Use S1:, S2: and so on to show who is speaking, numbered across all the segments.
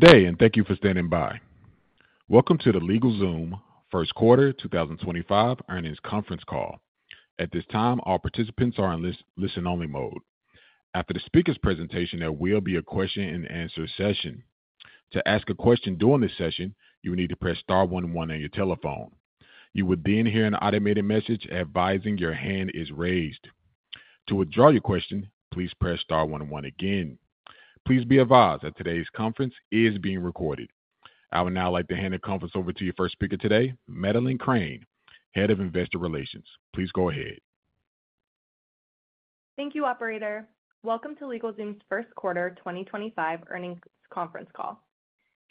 S1: Good day, and thank you for standing by. Welcome to the LegalZoom First Quarter 2025 Earnings Conference Call. At this time, all participants are in listen-only mode. After the speaker's presentation, there will be a question-and-answer session. To ask a question during this session, you will need to press star one one on your telephone. You will then hear an automated message advising your hand is raised. To withdraw your question, please press star one one again. Please be advised that today's conference is being recorded. I would now like to hand the conference over to your first speaker today, Madeleine Crane, Head of Investor Relations. Please go ahead.
S2: Thank you, operator. Welcome to LegalZoom's First Quarter 2025 Earnings Conference Call.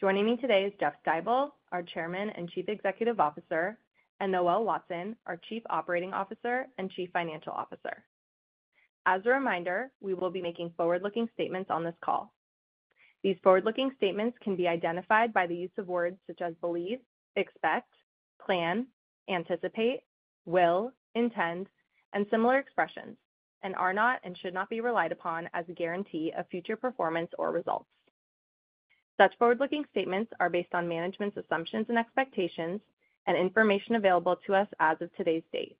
S2: Joining me today is Jeff Stibel, our Chairman and Chief Executive Officer, and Noel Watson, our Chief Operating Officer and Chief Financial Officer. As a reminder, we will be making forward-looking statements on this call. These forward-looking statements can be identified by the use of words such as believe, expect, plan, anticipate, will, intend, and similar expressions, and are not and should not be relied upon as a guarantee of future performance or results. Such forward-looking statements are based on management's assumptions and expectations and information available to us as of today's date.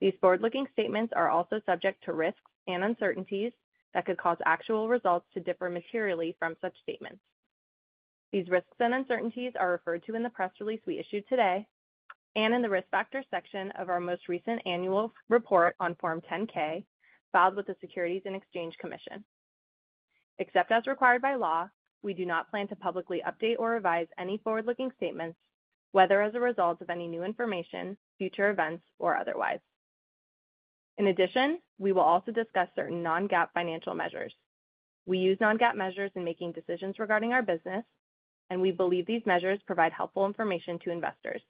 S2: These forward-looking statements are also subject to risks and uncertainties that could cause actual results to differ materially from such statements. These risks and uncertainties are referred to in the press release we issued today and in the risk factor section of our most recent annual report on Form 10-K filed with the Securities and Exchange Commission. Except as required by law, we do not plan to publicly update or revise any forward-looking statements, whether as a result of any new information, future events, or otherwise. In addition, we will also discuss certain non-GAAP financial measures. We use non-GAAP measures in making decisions regarding our business, and we believe these measures provide helpful information to investors.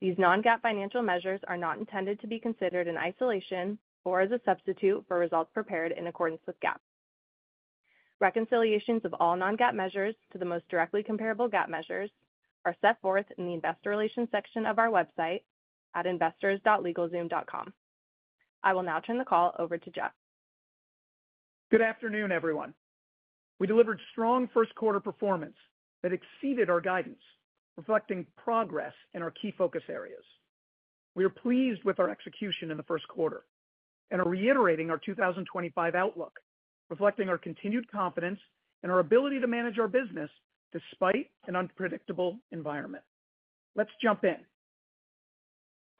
S2: These non-GAAP financial measures are not intended to be considered in isolation or as a substitute for results prepared in accordance with GAAP. Reconciliations of all non-GAAP measures to the most directly comparable GAAP measures are set forth in the investor relations section of our website at investors.legalzoom.com. I will now turn the call over to Jeff.
S3: Good afternoon, everyone. We delivered strong first-quarter performance that exceeded our guidance, reflecting progress in our key focus areas. We are pleased with our execution in the first quarter and are reiterating our 2025 outlook, reflecting our continued confidence in our ability to manage our business despite an unpredictable environment. Let's jump in.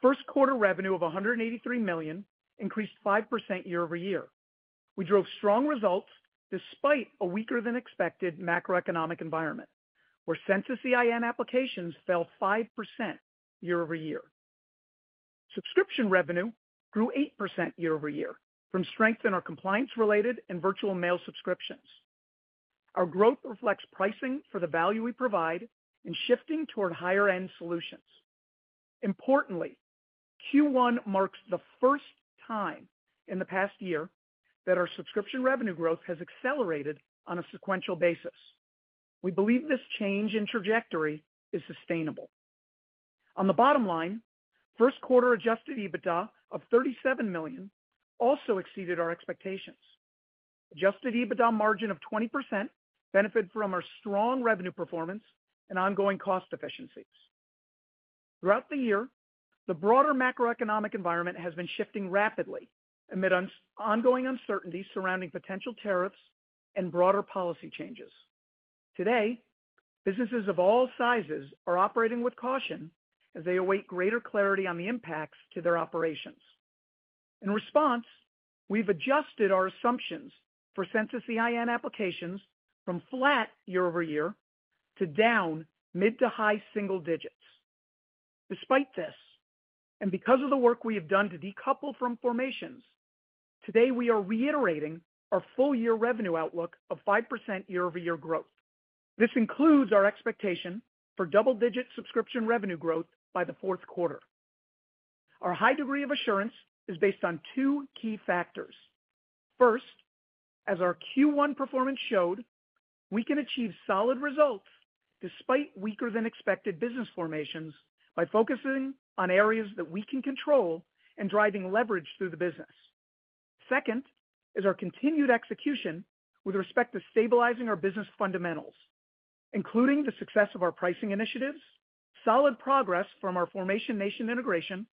S3: First-quarter revenue of $183 million increased 5% year-over-year. We drove strong results despite a weaker-than-expected macroeconomic environment, where Census EIN applications fell 5% year-over-year. Subscription revenue grew 8% year-over-year from strength in our compliance-related and virtual mail subscriptions. Our growth reflects pricing for the value we provide and shifting toward higher-end solutions. Importantly, Q1 marks the first time in the past year that our subscription revenue growth has accelerated on a sequential basis. We believe this change in trajectory is sustainable. On the bottom line, first-quarter Adjusted EBITDA of $37 million also exceeded our expectations. Adjusted EBITDA margin of 20% benefited from our strong revenue performance and ongoing cost efficiencies. Throughout the year, the broader macroeconomic environment has been shifting rapidly amid ongoing uncertainties surrounding potential tariffs and broader policy changes. Today, businesses of all sizes are operating with caution as they await greater clarity on the impacts to their operations. In response, we've adjusted our assumptions for Census EIN applications from flat year-over-year to down mid-to-high single digits. Despite this, and because of the work we have done to decouple from formations, today we are reiterating our full-year revenue outlook of 5% year-over-year growth. This includes our expectation for double-digit subscription revenue growth by the fourth quarter. Our high degree of assurance is based on two key factors. First, as our Q1 performance showed, we can achieve solid results despite weaker-than-expected business formations by focusing on areas that we can control and driving leverage through the business. Second, is our continued execution with respect to stabilizing our business fundamentals, including the success of our pricing initiatives, solid progress from our Formation Nation integration,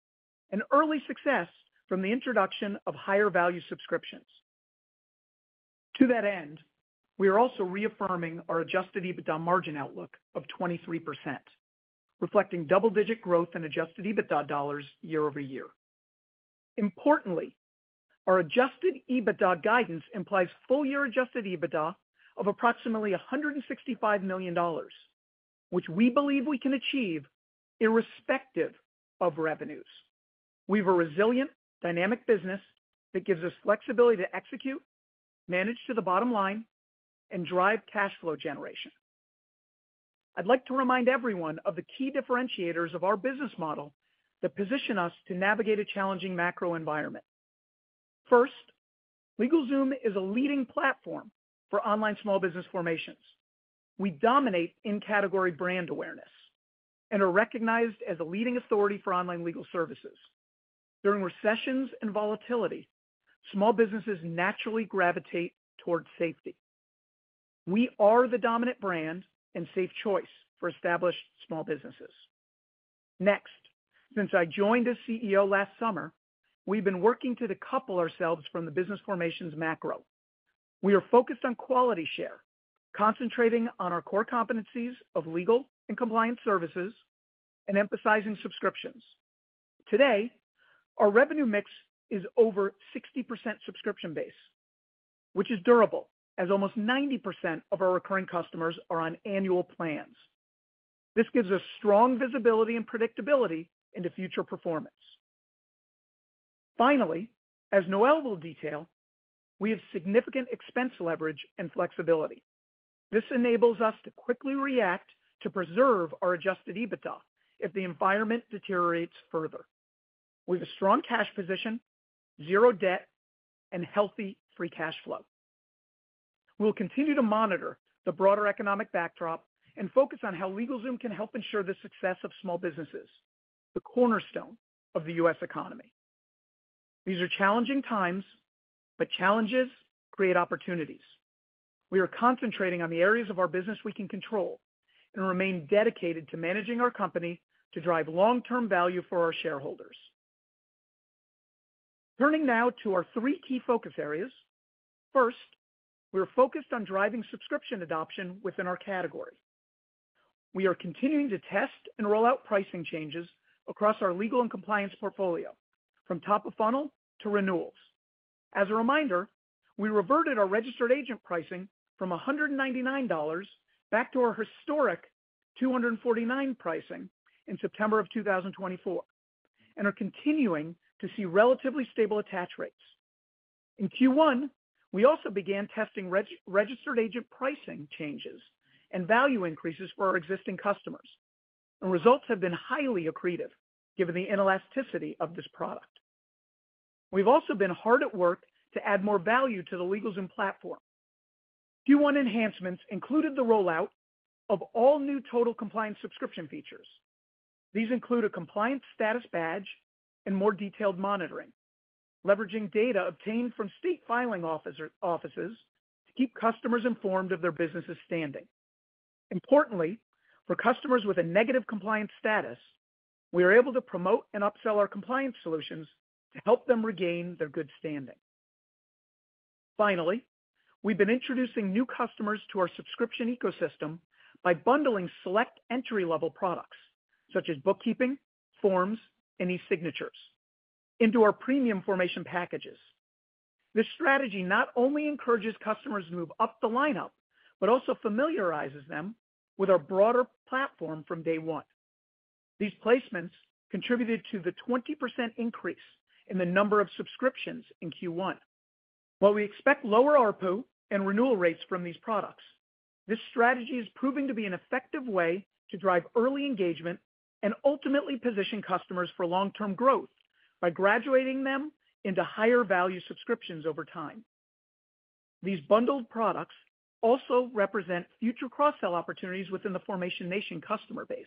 S3: and early success from the introduction of higher-value subscriptions. To that end, we are also reaffirming our Adjusted EBITDA margin outlook of 23%, reflecting double-digit growth in Adjusted EBITDA dollars year-over-year. Importantly, our Adjusted EBITDA guidance implies full-year Adjusted EBITDA of approximately $165 million, which we believe we can achieve irrespective of revenues. We have a resilient, dynamic business that gives us flexibility to execute, manage to the bottom line, and drive cash flow generation. I'd like to remind everyone of the key differentiators of our business model that position us to navigate a challenging macro environment. First, LegalZoom is a leading platform for online small business formations. We dominate in-category brand awareness and are recognized as a leading authority for online legal services. During recessions and volatility, small businesses naturally gravitate toward safety. We are the dominant brand and safe choice for established small businesses. Next, since I joined as CEO last summer, we've been working to decouple ourselves from the business formations macro. We are focused on quality share, concentrating on our core competencies of legal and compliance services and emphasizing subscriptions. Today, our revenue mix is over 60% subscription base, which is durable as almost 90% of our recurring customers are on annual plans. This gives us strong visibility and predictability into future performance. Finally, as Noel will detail, we have significant expense leverage and flexibility. This enables us to quickly react to preserve our Adjusted EBITDA if the environment deteriorates further. We have a strong cash position, zero debt, and healthy free cash flow. We'll continue to monitor the broader economic backdrop and focus on how LegalZoom can help ensure the success of small businesses, the cornerstone of the U.S. economy. These are challenging times, but challenges create opportunities. We are concentrating on the areas of our business we can control and remain dedicated to managing our company to drive long-term value for our shareholders. Turning now to our three key focus areas. First, we are focused on driving subscription adoption within our category. We are continuing to test and roll out pricing changes across our legal and compliance portfolio from top of funnel to renewals. As a reminder, we reverted our Registered Agent pricing from $199 back to our historic $249 pricing in September of 2024 and are continuing to see relatively stable attach rates. In Q1, we also began testing Registered Agent pricing changes and value increases for our existing customers, and results have been highly accretive given the inelasticity of this product. We've also been hard at work to add more value to the LegalZoom platform. Q1 enhancements included the rollout of all new total compliance subscription features. These include a compliance status badge and more detailed monitoring, leveraging data obtained from state filing offices to keep customers informed of their business's standing. Importantly, for customers with a negative compliance status, we are able to promote and upsell our compliance solutions to help them regain their good standing. Finally, we've been introducing new customers to our subscription ecosystem by bundling select entry-level products such as bookkeeping, forms, and eSignatures into our premium formation packages. This strategy not only encourages customers to move up the lineup but also familiarizes them with our broader platform from day one. These placements contributed to the 20% increase in the number of subscriptions in Q1. While we expect lower ARPU and renewal rates from these products, this strategy is proving to be an effective way to drive early engagement and ultimately position customers for long-term growth by graduating them into higher-value subscriptions over time. These bundled products also represent future cross-sell opportunities within the Formation Nation customer base.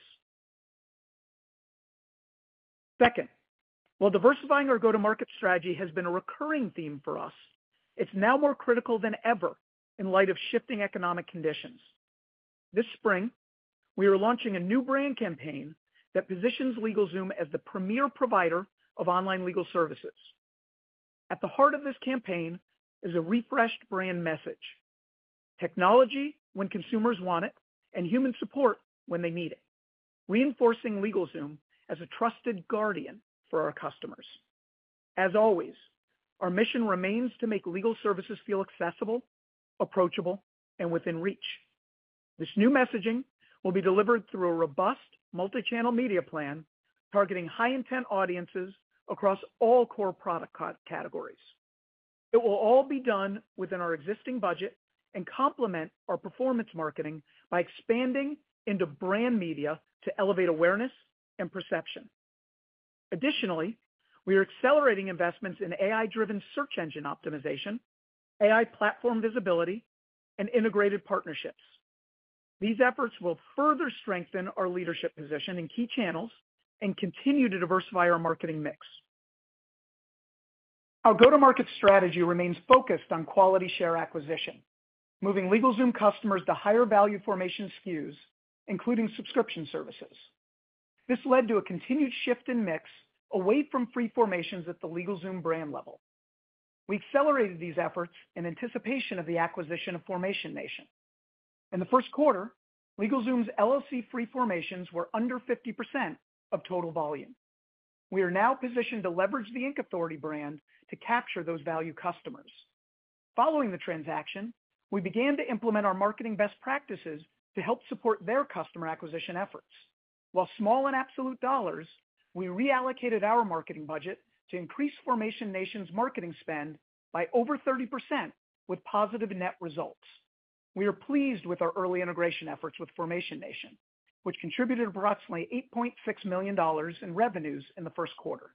S3: Second, while diversifying our go-to-market strategy has been a recurring theme for us, it's now more critical than ever in light of shifting economic conditions. This spring, we are launching a new brand campaign that positions LegalZoom as the premier provider of online legal services. At the heart of this campaign is a refreshed brand message, technology when consumers want it and human support when they need it, reinforcing LegalZoom as a trusted guardian for our customers. As always, our mission remains to make legal services feel accessible, approachable, and within reach. This new messaging will be delivered through a robust multi-channel media plan targeting high-intent audiences across all core product categories. It will all be done within our existing budget and complement our performance marketing by expanding into brand media to elevate awareness and perception. Additionally, we are accelerating investments in AI-driven search engine optimization, AI platform visibility, and integrated partnerships. These efforts will further strengthen our leadership position in key channels and continue to diversify our marketing mix. Our go-to-market strategy remains focused on quality share acquisition, moving LegalZoom customers to higher-value formation SKUs, including subscription services. This led to a continued shift in mix away from free formations at the LegalZoom brand level. We accelerated these efforts in anticipation of the acquisition of Formation Nation. In the first quarter, LegalZoom's LLC-free formations were under 50% of total volume. We are now positioned to leverage the Inc Authority brand to capture those value customers. Following the transaction, we began to implement our marketing best practices to help support their customer acquisition efforts. While small in absolute dollars, we reallocated our marketing budget to increase Formation Nation's marketing spend by over 30% with positive net results. We are pleased with our early integration efforts with Formation Nation, which contributed approximately $8.6 million in revenues in the first quarter.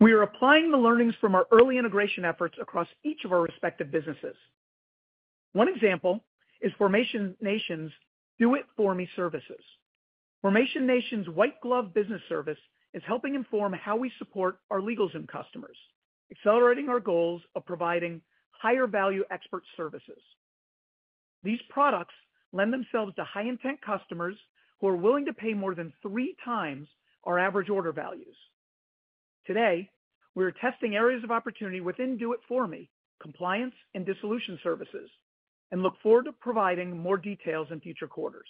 S3: We are applying the learnings from our early integration efforts across each of our respective businesses. One example is Formation Nation's do it for me services. Formation Nation's white-glove business service is helping inform how we support our LegalZoom customers, accelerating our goals of providing higher-value expert services. These products lend themselves to high-intent customers who are willing to pay more than three times our average order values. Today, we are testing areas of opportunity within do it for me compliance and dissolution services and look forward to providing more details in future quarters.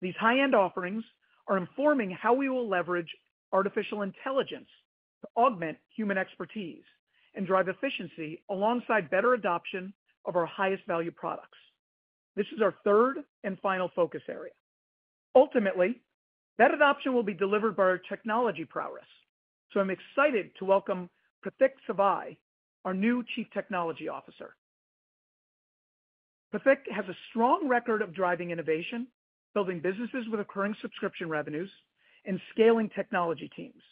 S3: These high-end offerings are informing how we will leverage artificial intelligence to augment human expertise and drive efficiency alongside better adoption of our highest-value products. This is our third and final focus area. Ultimately, that adoption will be delivered by our technology prowess, so I'm excited to welcome Pratik Savai, our new Chief Technology Officer. Pratik has a strong record of driving innovation, building businesses with recurring subscription revenues, and scaling technology teams.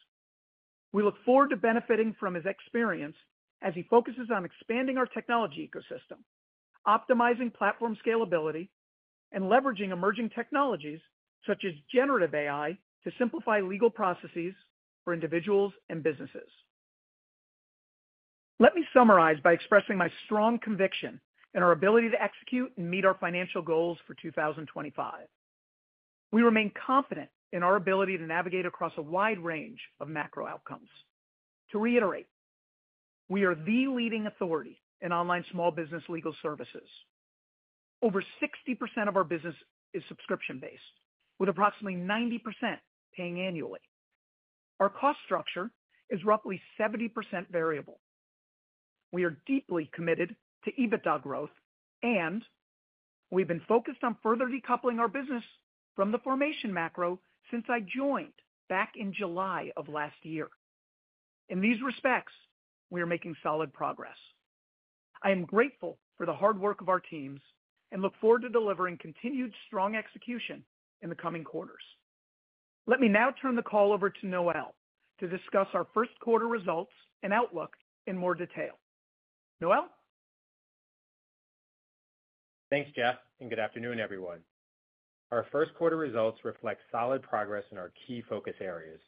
S3: We look forward to benefiting from his experience as he focuses on expanding our technology ecosystem, optimizing platform scalability, and leveraging emerging technologies such as generative AI to simplify legal processes for individuals and businesses. Let me summarize by expressing my strong conviction in our ability to execute and meet our financial goals for 2025. We remain confident in our ability to navigate across a wide range of macro outcomes. To reiterate, we are the leading authority in online small business legal services. Over 60% of our business is subscription-based, with approximately 90% paying annually. Our cost structure is roughly 70% variable. We are deeply committed to EBITDA growth, and we've been focused on further decoupling our business from the formation macro since I joined back in July of last year. In these respects, we are making solid progress. I am grateful for the hard work of our teams and look forward to delivering continued strong execution in the coming quarters. Let me now turn the call over to Noel to discuss our first quarter results and outlook in more detail. Noel?
S4: Thanks, Jeff, and good afternoon, everyone. Our first quarter results reflect solid progress in our key focus areas.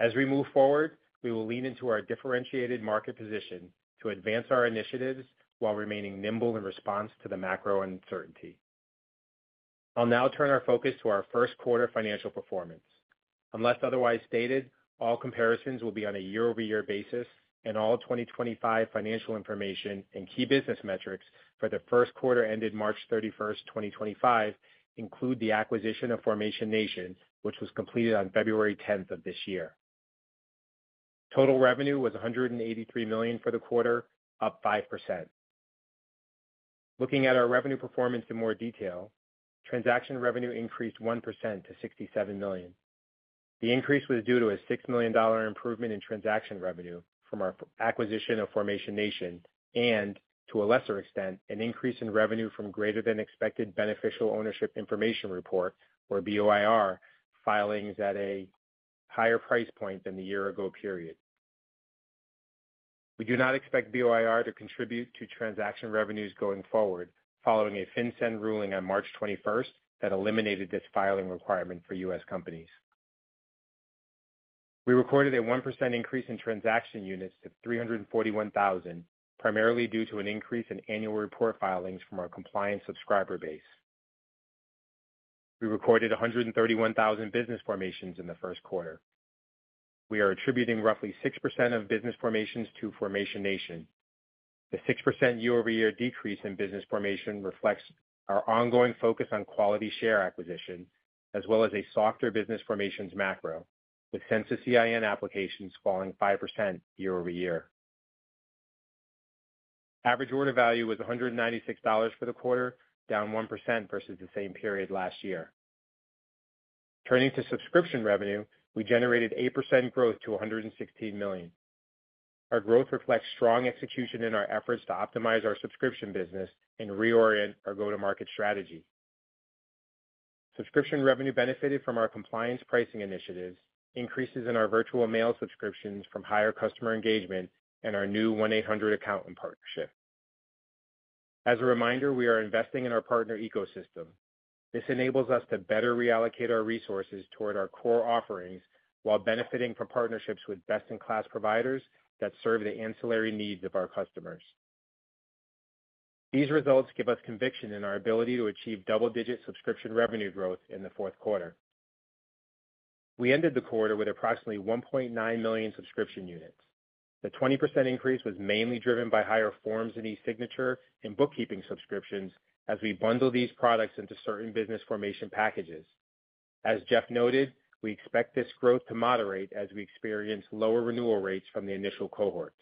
S4: As we move forward, we will lean into our differentiated market position to advance our initiatives while remaining nimble in response to the macro uncertainty. I'll now turn our focus to our first quarter financial performance. Unless otherwise stated, all comparisons will be on a year-over-year basis, and all 2025 financial information and key business metrics for the first quarter ended March 31st, 2025, include the acquisition of Formation Nation, which was completed on February 10th of this year. Total revenue was $183 million for the quarter, up 5%. Looking at our revenue performance in more detail, transaction revenue increased 1% to $67 million. The increase was due to a $6 million improvement in transaction revenue from our acquisition of Formation Nation and, to a lesser extent, an increase in revenue from greater-than-expected Beneficial Ownership Information Report, or BOIR, filings at a higher price point than the year-ago period. We do not expect BOIR to contribute to transaction revenues going forward following a FinCEN ruling on March 21 that eliminated this filing requirement for U.S. companies. We recorded a 1% increase in transaction units to 341,000, primarily due to an increase in annual report filings from our compliance subscriber base. We recorded 131,000 business formations in the first quarter. We are attributing roughly 6% of business formations to Formation Nation. The 6% year-over-year decrease in business formation reflects our ongoing focus on quality share acquisition as well as a softer business formations macro, with Census EIN applications falling 5% year-over-year. Average order value was $196 for the quarter, down 1% versus the same period last year. Turning to subscription revenue, we generated 8% growth to $116 million. Our growth reflects strong execution in our efforts to optimize our subscription business and reorient our go-to-market strategy. Subscription revenue benefited from our compliance pricing initiatives, increases in our virtual mail subscriptions from higher customer engagement, and our new 1-800Accountant partnership. As a reminder, we are investing in our partner ecosystem. This enables us to better reallocate our resources toward our core offerings while benefiting from partnerships with best-in-class providers that serve the ancillary needs of our customers. These results give us conviction in our ability to achieve double-digit subscription revenue growth in the fourth quarter. We ended the quarter with approximately 1.9 million subscription units. The 20% increase was mainly driven by higher forms and eSignature and bookkeeping subscriptions as we bundle these products into certain business formation packages. As Jeff noted, we expect this growth to moderate as we experience lower renewal rates from the initial cohorts.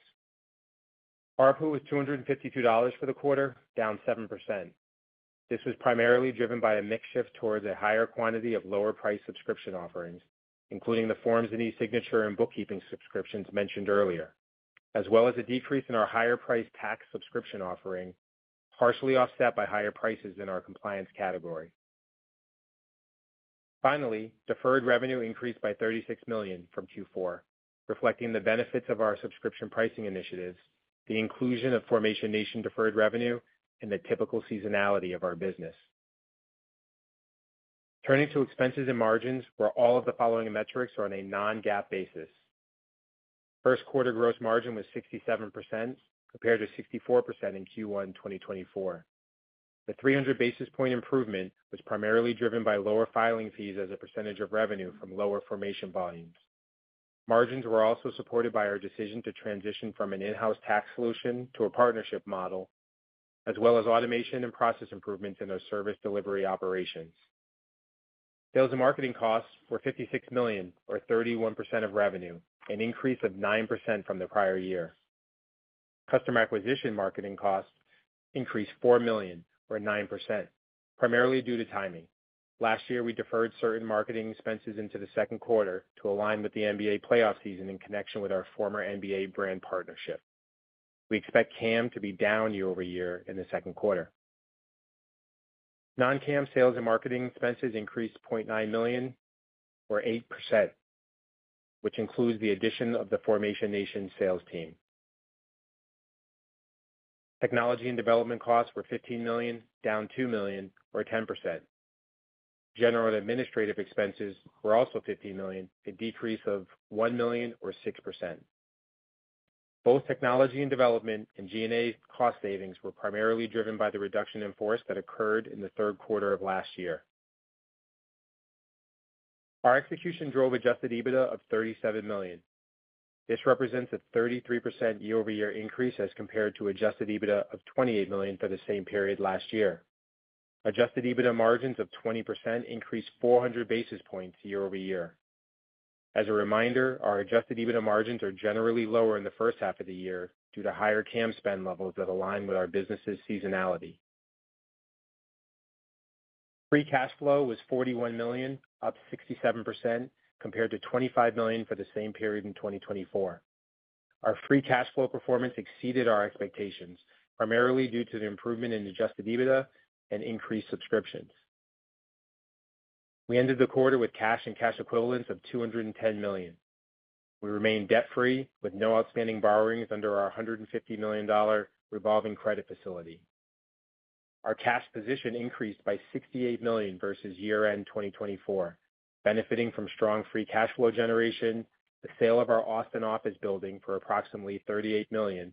S4: ARPU was $252 for the quarter, down 7%. This was primarily driven by a mix shift towards a higher quantity of lower-priced subscription offerings, including the forms and eSignature and bookkeeping subscriptions mentioned earlier, as well as a decrease in our higher-priced tax subscription offering, partially offset by higher prices in our compliance category. Finally, deferred revenue increased by $36 million from Q4, reflecting the benefits of our subscription pricing initiatives, the inclusion of Formation Nation deferred revenue, and the typical seasonality of our business. Turning to expenses and margins, where all of the following metrics are on a non-GAAP basis. First quarter gross margin was 67% compared to 64% in Q1 2024. The 300 basis point improvement was primarily driven by lower filing fees as a percentage of revenue from lower formation volumes. Margins were also supported by our decision to transition from an in-house tax solution to a partnership model, as well as automation and process improvements in our service delivery operations. Sales and marketing costs were $56 million, or 31% of revenue, an increase of 9% from the prior year. Customer acquisition marketing costs increased $4 million, or 9%, primarily due to timing. Last year, we deferred certain marketing expenses into the second quarter to align with the NBA playoff season in connection with our former NBA brand partnership. We expect CAM to be down year-over-year in the second quarter. Non-CAM sales and marketing expenses increased $0.9 million, or 8%, which includes the addition of the Formation Nation sales team. Technology and development costs were $15 million, down $2 million, or 10%. General and administrative expenses were also $15 million, a decrease of $1 million, or 6%. Both technology and development and G&A cost savings were primarily driven by the reduction in force that occurred in the third quarter of last year. Our execution drove Adjusted EBITDA of $37 million. This represents a 33% year-over-year increase as compared to Adjusted EBITDA of $28 million for the same period last year. Adjusted EBITDA margins of 20% increased 400 basis points year-over-year. As a reminder, our Adjusted EBITDA margins are generally lower in the first half of the year due to higher CAM spend levels that align with our business's seasonality. Free cash flow was $41 million, up 67%, compared to $25 million for the same period in 2024. Our free cash flow performance exceeded our expectations, primarily due to the improvement in Adjusted EBITDA and increased subscriptions. We ended the quarter with cash and cash equivalents of $210 million. We remained debt-free with no outstanding borrowings under our $150 million revolving credit facility. Our cash position increased by $68 million versus year-end 2024, benefiting from strong free cash flow generation, the sale of our Austin office building for approximately $38 million,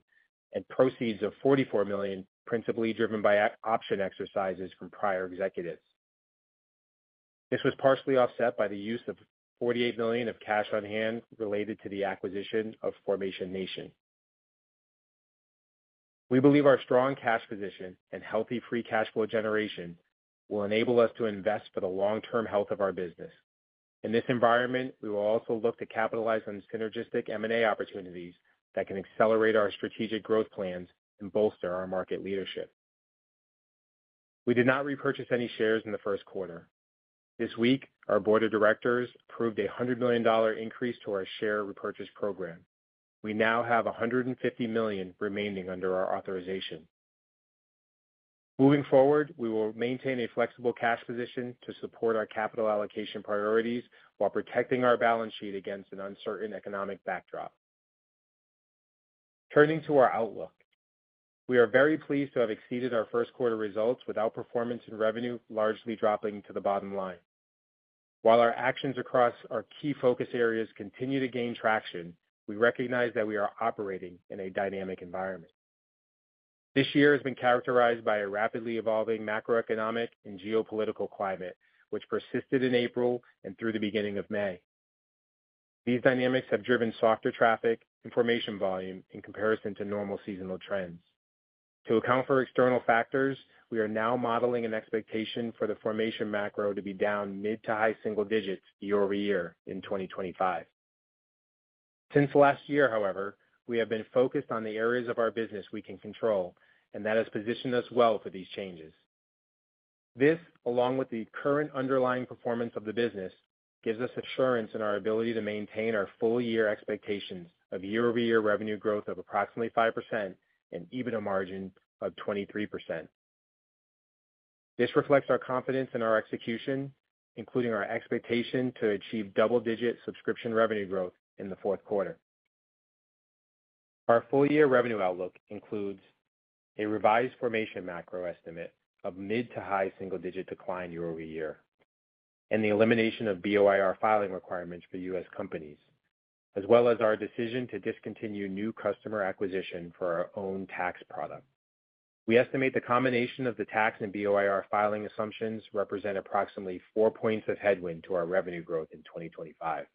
S4: and proceeds of $44 million, principally driven by option exercises from prior executives. This was partially offset by the use of $48 million of cash on hand related to the acquisition of Formation Nation. We believe our strong cash position and healthy free cash flow generation will enable us to invest for the long-term health of our business. In this environment, we will also look to capitalize on synergistic M&A opportunities that can accelerate our strategic growth plans and bolster our market leadership. We did not repurchase any shares in the first quarter. This week, our board of directors approved a $100 million increase to our share repurchase program. We now have $150 million remaining under our authorization. Moving forward, we will maintain a flexible cash position to support our capital allocation priorities while protecting our balance sheet against an uncertain economic backdrop. Turning to our outlook, we are very pleased to have exceeded our first quarter results with outperformance in revenue largely dropping to the bottom line. While our actions across our key focus areas continue to gain traction, we recognize that we are operating in a dynamic environment. This year has been characterized by a rapidly evolving macroeconomic and geopolitical climate, which persisted in April and through the beginning of May. These dynamics have driven softer traffic and formation volume in comparison to normal seasonal trends. To account for external factors, we are now modeling an expectation for the formation macro to be down mid-to-high single digits year-over-year in 2025. Since last year, however, we have been focused on the areas of our business we can control, and that has positioned us well for these changes. This, along with the current underlying performance of the business, gives us assurance in our ability to maintain our full-year expectations of year-over-year revenue growth of approximately 5% and EBITDA margin of 23%. This reflects our confidence in our execution, including our expectation to achieve double-digit subscription revenue growth in the fourth quarter. Our full-year revenue outlook includes a revised formation macro estimate of mid to high single-digit decline year-over-year and the elimination of BOIR filing requirements for U.S. companies, as well as our decision to discontinue new customer acquisition for our own tax product. We estimate the combination of the tax and BOIR filing assumptions represent approximately four points of headwind to our revenue growth in 2025.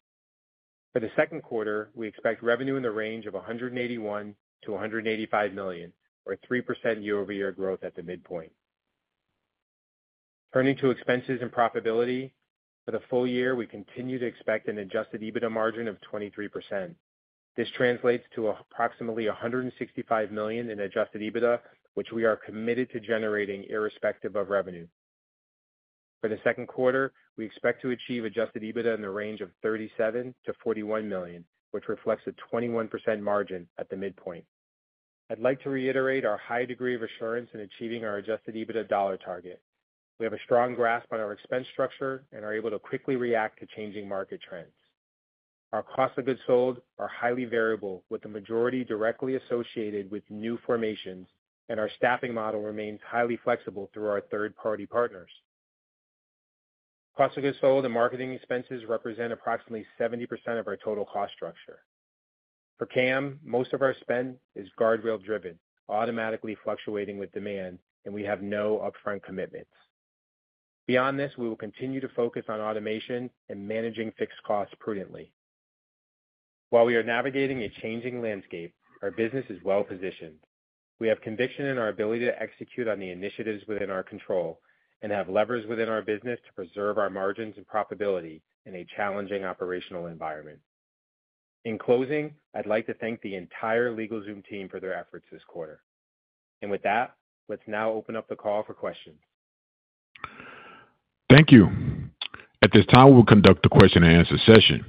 S4: For the second quarter, we expect revenue in the range of $181 million-$185 million, or 3% year-over-year growth at the midpoint. Turning to expenses and profitability, for the full year, we continue to expect an Adjusted EBITDA margin of 23%. This translates to approximately $165 million in Adjusted EBITDA, which we are committed to generating irrespective of revenue. For the second quarter, we expect to achieve Adjusted EBITDA in the range of $37 million-$41 million, which reflects a 21% margin at the midpoint. I'd like to reiterate our high degree of assurance in achieving our Adjusted EBITDA dollar target. We have a strong grasp on our expense structure and are able to quickly react to changing market trends. Our cost of goods sold are highly variable, with the majority directly associated with new formations, and our staffing model remains highly flexible through our third-party partners. Cost of goods sold and marketing expenses represent approximately 70% of our total cost structure. For CAM, most of our spend is guardrail-driven, automatically fluctuating with demand, and we have no upfront commitments. Beyond this, we will continue to focus on automation and managing fixed costs prudently. While we are navigating a changing landscape, our business is well-positioned. We have conviction in our ability to execute on the initiatives within our control and have levers within our business to preserve our margins and profitability in a challenging operational environment. In closing, I'd like to thank the entire LegalZoom team for their efforts this quarter. With that, let's now open up the call for questions.
S1: Thank you. At this time, we'll conduct a question-and-answer session.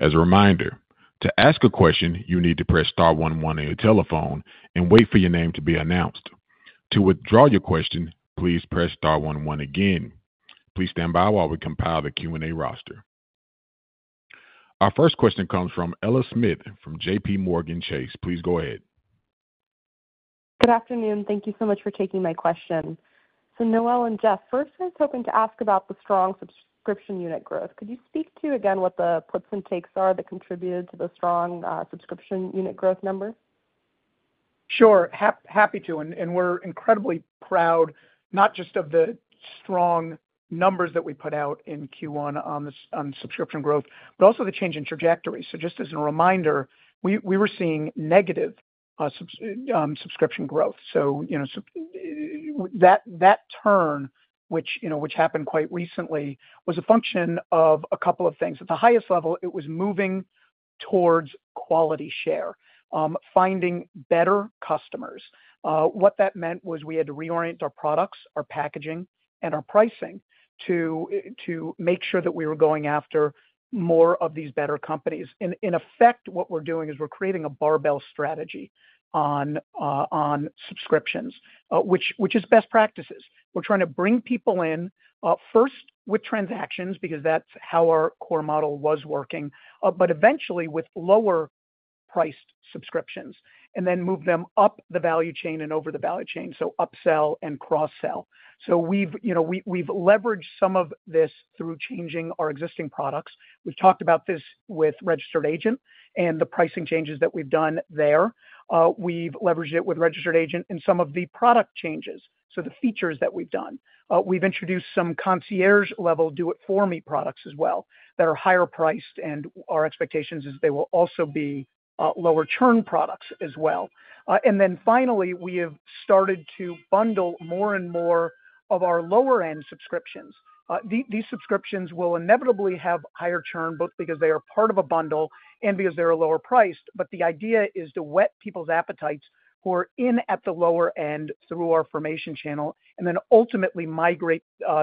S1: As a reminder, to ask a question, you need to press star one one on your telephone and wait for your name to be announced. To withdraw your question, please press star one one again. Please stand by while we compile the Q&A roster. Our first question comes from Ella Smith from JPMorgan Chase. Please go ahead.
S5: Good afternoon. Thank you so much for taking my question. Noel and Jeff, first, I was hoping to ask about the strong subscription unit growth. Could you speak to, again, what the puts and takes are that contributed to the strong subscription unit growth numbers?
S3: Sure. Happy to. We are incredibly proud, not just of the strong numbers that we put out in Q1 on subscription growth, but also the change in trajectory. Just as a reminder, we were seeing negative subscription growth. That turn, which happened quite recently, was a function of a couple of things. At the highest level, it was moving towards quality share, finding better customers. What that meant was we had to reorient our products, our packaging, and our pricing to make sure that we were going after more of these better companies. In effect, what we're doing is we're creating a barbell strategy on subscriptions, which is best practices. We're trying to bring people in first with transactions because that's how our core model was working, but eventually with lower-priced subscriptions, and then move them up the value chain and over the value chain, so upsell and cross-sell. We've leveraged some of this through changing our existing products. We've talked about this with Registered Agent and the pricing changes that we've done there. We've leveraged it with Registered Agent in some of the product changes, so the features that we've done. We've introduced some concierge-level do-it-for-me products as well that are higher priced, and our expectation is they will also be lower churn products as well. Finally, we have started to bundle more and more of our lower-end subscriptions. These subscriptions will inevitably have higher churn, both because they are part of a bundle and because they're lower priced, but the idea is to wet people's appetites who are in at the lower end through our formation channel and then ultimately migrate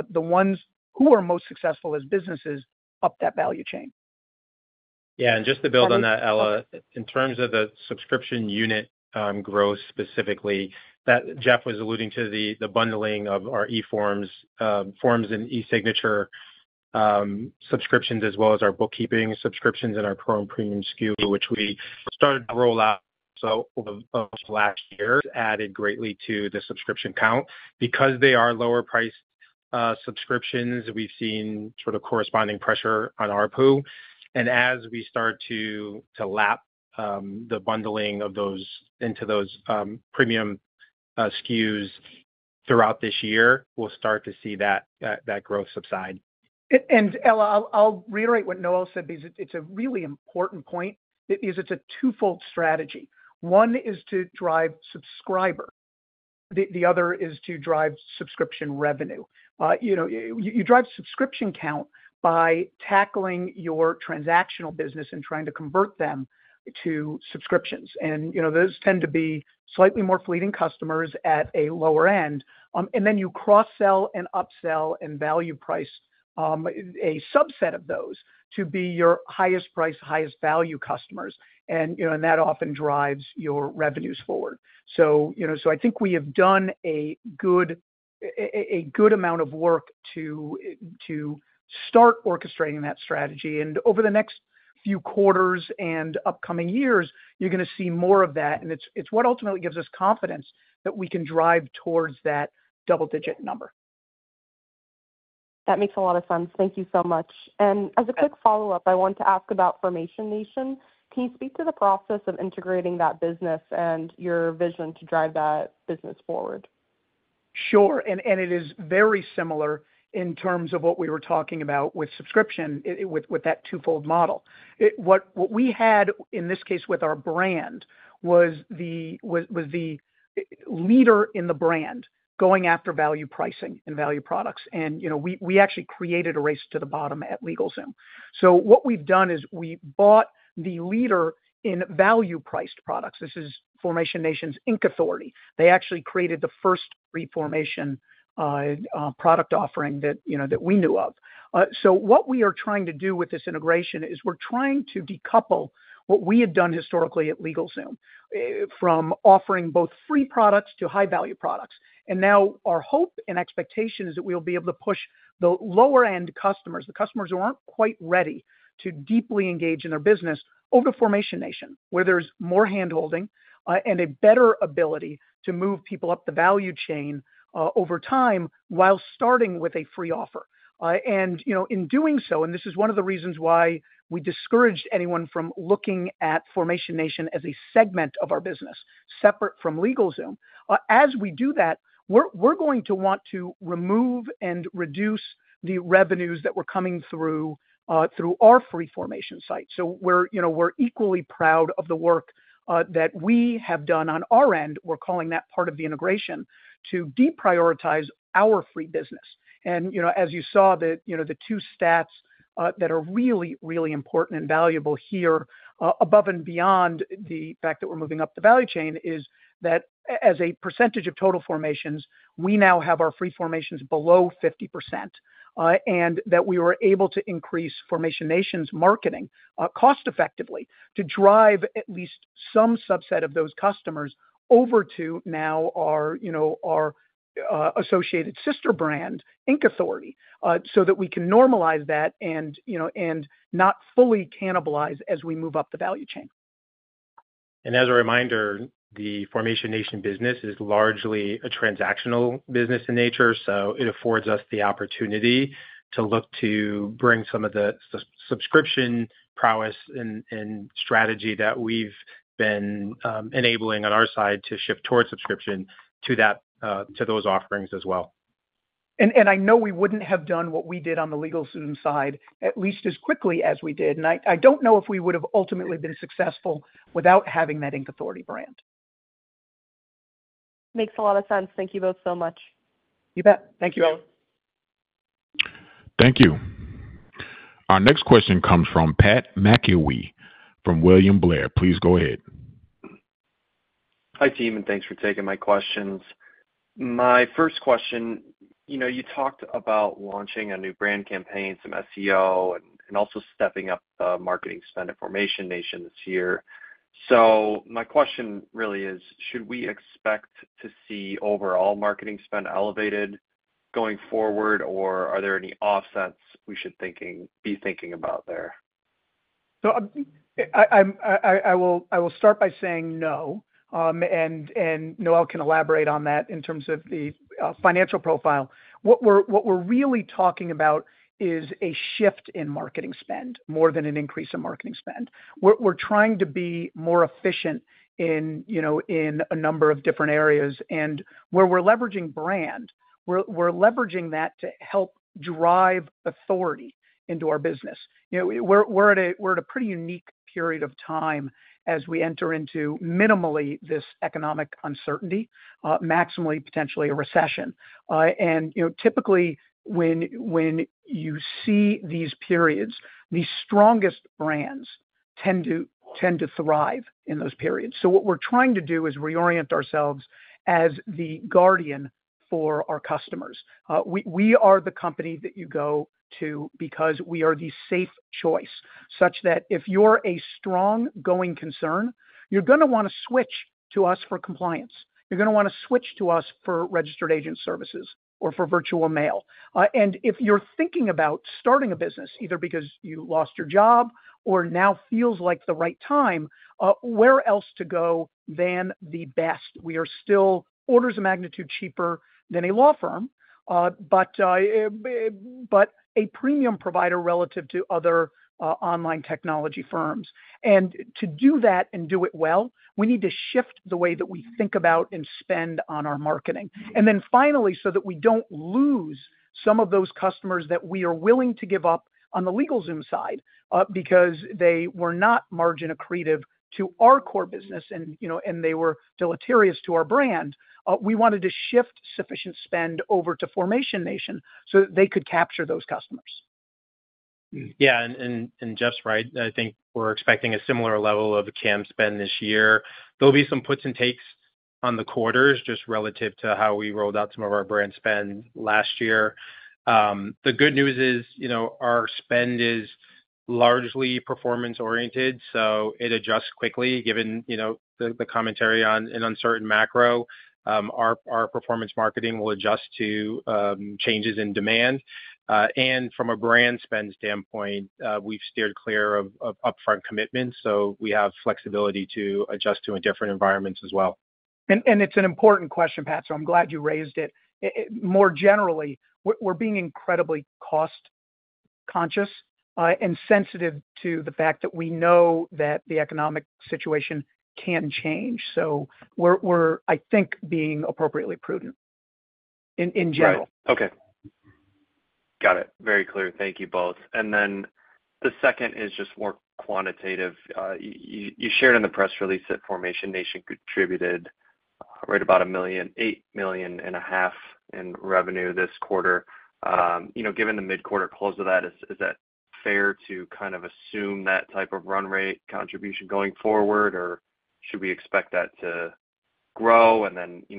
S3: the ones who are most successful as businesses up that value chain.
S4: Yeah. Just to build on that, Ella, in terms of the subscription unit growth specifically, Jeff was alluding to the bundling of our forms and eSignature subscriptions, as well as our bookkeeping subscriptions and our pro and premium SKU, which we started to roll out as of last year. Added greatly to the subscription count. Because they are lower-priced subscriptions, we've seen sort of corresponding pressure on ARPU. As we start to lap the bundling into those premium SKUs throughout this year, we'll start to see that growth subside.
S3: Ella, I'll reiterate what Noel said because it's a really important point, is it's a twofold strategy. One is to drive subscriber. The other is to drive subscription revenue. You drive subscription count by tackling your transactional business and trying to convert them to subscriptions. Those tend to be slightly more fleeting customers at a lower end. You cross-sell and upsell and value-price a subset of those to be your highest-priced, highest-value customers. That often drives your revenues forward. I think we have done a good amount of work to start orchestrating that strategy. Over the next few quarters and upcoming years, you're going to see more of that. It's what ultimately gives us confidence that we can drive towards that double-digit number.
S5: That makes a lot of sense. Thank you so much. As a quick follow-up, I want to ask about Formation Nation. Can you speak to the process of integrating that business and your vision to drive that business forward?
S3: Sure. It is very similar in terms of what we were talking about with subscription, with that twofold model. What we had, in this case, with our brand was the leader in the brand going after value pricing and value products. We actually created a race to the bottom at LegalZoom. What we've done is we bought the leader in value-priced products. This is Formation Nation's Inc Authority. They actually created the first free formation product offering that we knew of. What we are trying to do with this integration is we are trying to decouple what we had done historically at LegalZoom from offering both free products to high-value products. Our hope and expectation is that we will be able to push the lower-end customers, the customers who are not quite ready to deeply engage in their business, over to Formation Nation, where there is more handholding and a better ability to move people up the value chain over time while starting with a free offer. In doing so, and this is one of the reasons why we discouraged anyone from looking at Formation Nation as a segment of our business, separate from LegalZoom, as we do that, we are going to want to remove and reduce the revenues that were coming through our free formation site. We're equally proud of the work that we have done on our end. We're calling that part of the integration to deprioritize our free business. As you saw, the two stats that are really, really important and valuable here, above and beyond the fact that we're moving up the value chain, is that as a percentage of total formations, we now have our free formations below 50%, and that we were able to increase Formation Nation's marketing cost-effectively to drive at least some subset of those customers over to now our associated sister brand, Inc Authority, so that we can normalize that and not fully cannibalize as we move up the value chain.
S4: As a reminder, the Formation Nation business is largely a transactional business in nature, so it affords us the opportunity to look to bring some of the subscription prowess and strategy that we've been enabling on our side to shift towards subscription to those offerings as well.
S3: I know we wouldn't have done what we did on the LegalZoom side at least as quickly as we did. I don't know if we would have ultimately been successful without having that Inc Authority brand.
S5: Makes a lot of sense. Thank you both so much.
S3: You bet. Thank you, Ella.
S1: Thank you. Our next question comes from Pat McIlwee from William Blair. Please go ahead.
S6: Hi, team, and thanks for taking my questions. My first question, you talked about launching a new brand campaign, some SEO, and also stepping up marketing spend at Formation Nation this year. My question really is, should we expect to see overall marketing spend elevated going forward, or are there any offsets we should be thinking about there?
S3: I will start by saying no. Noel can elaborate on that in terms of the financial profile. What we're really talking about is a shift in marketing spend more than an increase in marketing spend. We're trying to be more efficient in a number of different areas. Where we're leveraging brand, we're leveraging that to help drive authority into our business. We're at a pretty unique period of time as we enter into minimally this economic uncertainty, maximally potentially a recession. Typically, when you see these periods, the strongest brands tend to thrive in those periods. What we're trying to do is reorient ourselves as the guardian for our customers. We are the company that you go to because we are the safe choice, such that if you're a strong going concern, you're going to want to switch to us for compliance. You're going to want to switch to us for Registered Agent services or for virtual mail. If you're thinking about starting a business, either because you lost your job or now feels like the right time, where else to go than the best? We are still orders of magnitude cheaper than a law firm, but a premium provider relative to other online technology firms. To do that and do it well, we need to shift the way that we think about and spend on our marketing. Finally, so that we do not lose some of those customers that we are willing to give up on the LegalZoom side because they were not margin accretive to our core business and they were deleterious to our brand, we wanted to shift sufficient spend over to Formation Nation so that they could capture those customers.
S4: Yeah. Jeff is right. I think we are expecting a similar level of CAM spend this year. There will be some puts and takes on the quarters just relative to how we rolled out some of our brand spend last year. The good news is our spend is largely performance-oriented, so it adjusts quickly given the commentary on an uncertain macro. Our performance marketing will adjust to changes in demand. From a brand spend standpoint, we have steered clear of upfront commitments, so we have flexibility to adjust to different environments as well.
S3: It is an important question, Pat, so I am glad you raised it. More generally, we are being incredibly cost-conscious and sensitive to the fact that we know that the economic situation can change. We are, I think, being appropriately prudent in general.
S6: Right. Okay. Got it. Very clear. Thank you both. The second is just more quantitative. You shared in the press release that Formation Nation contributed right about $8.5 million in revenue this quarter. Given the mid-quarter close of that, is that fair to kind of assume that type of run rate contribution going forward, or should we expect that to grow?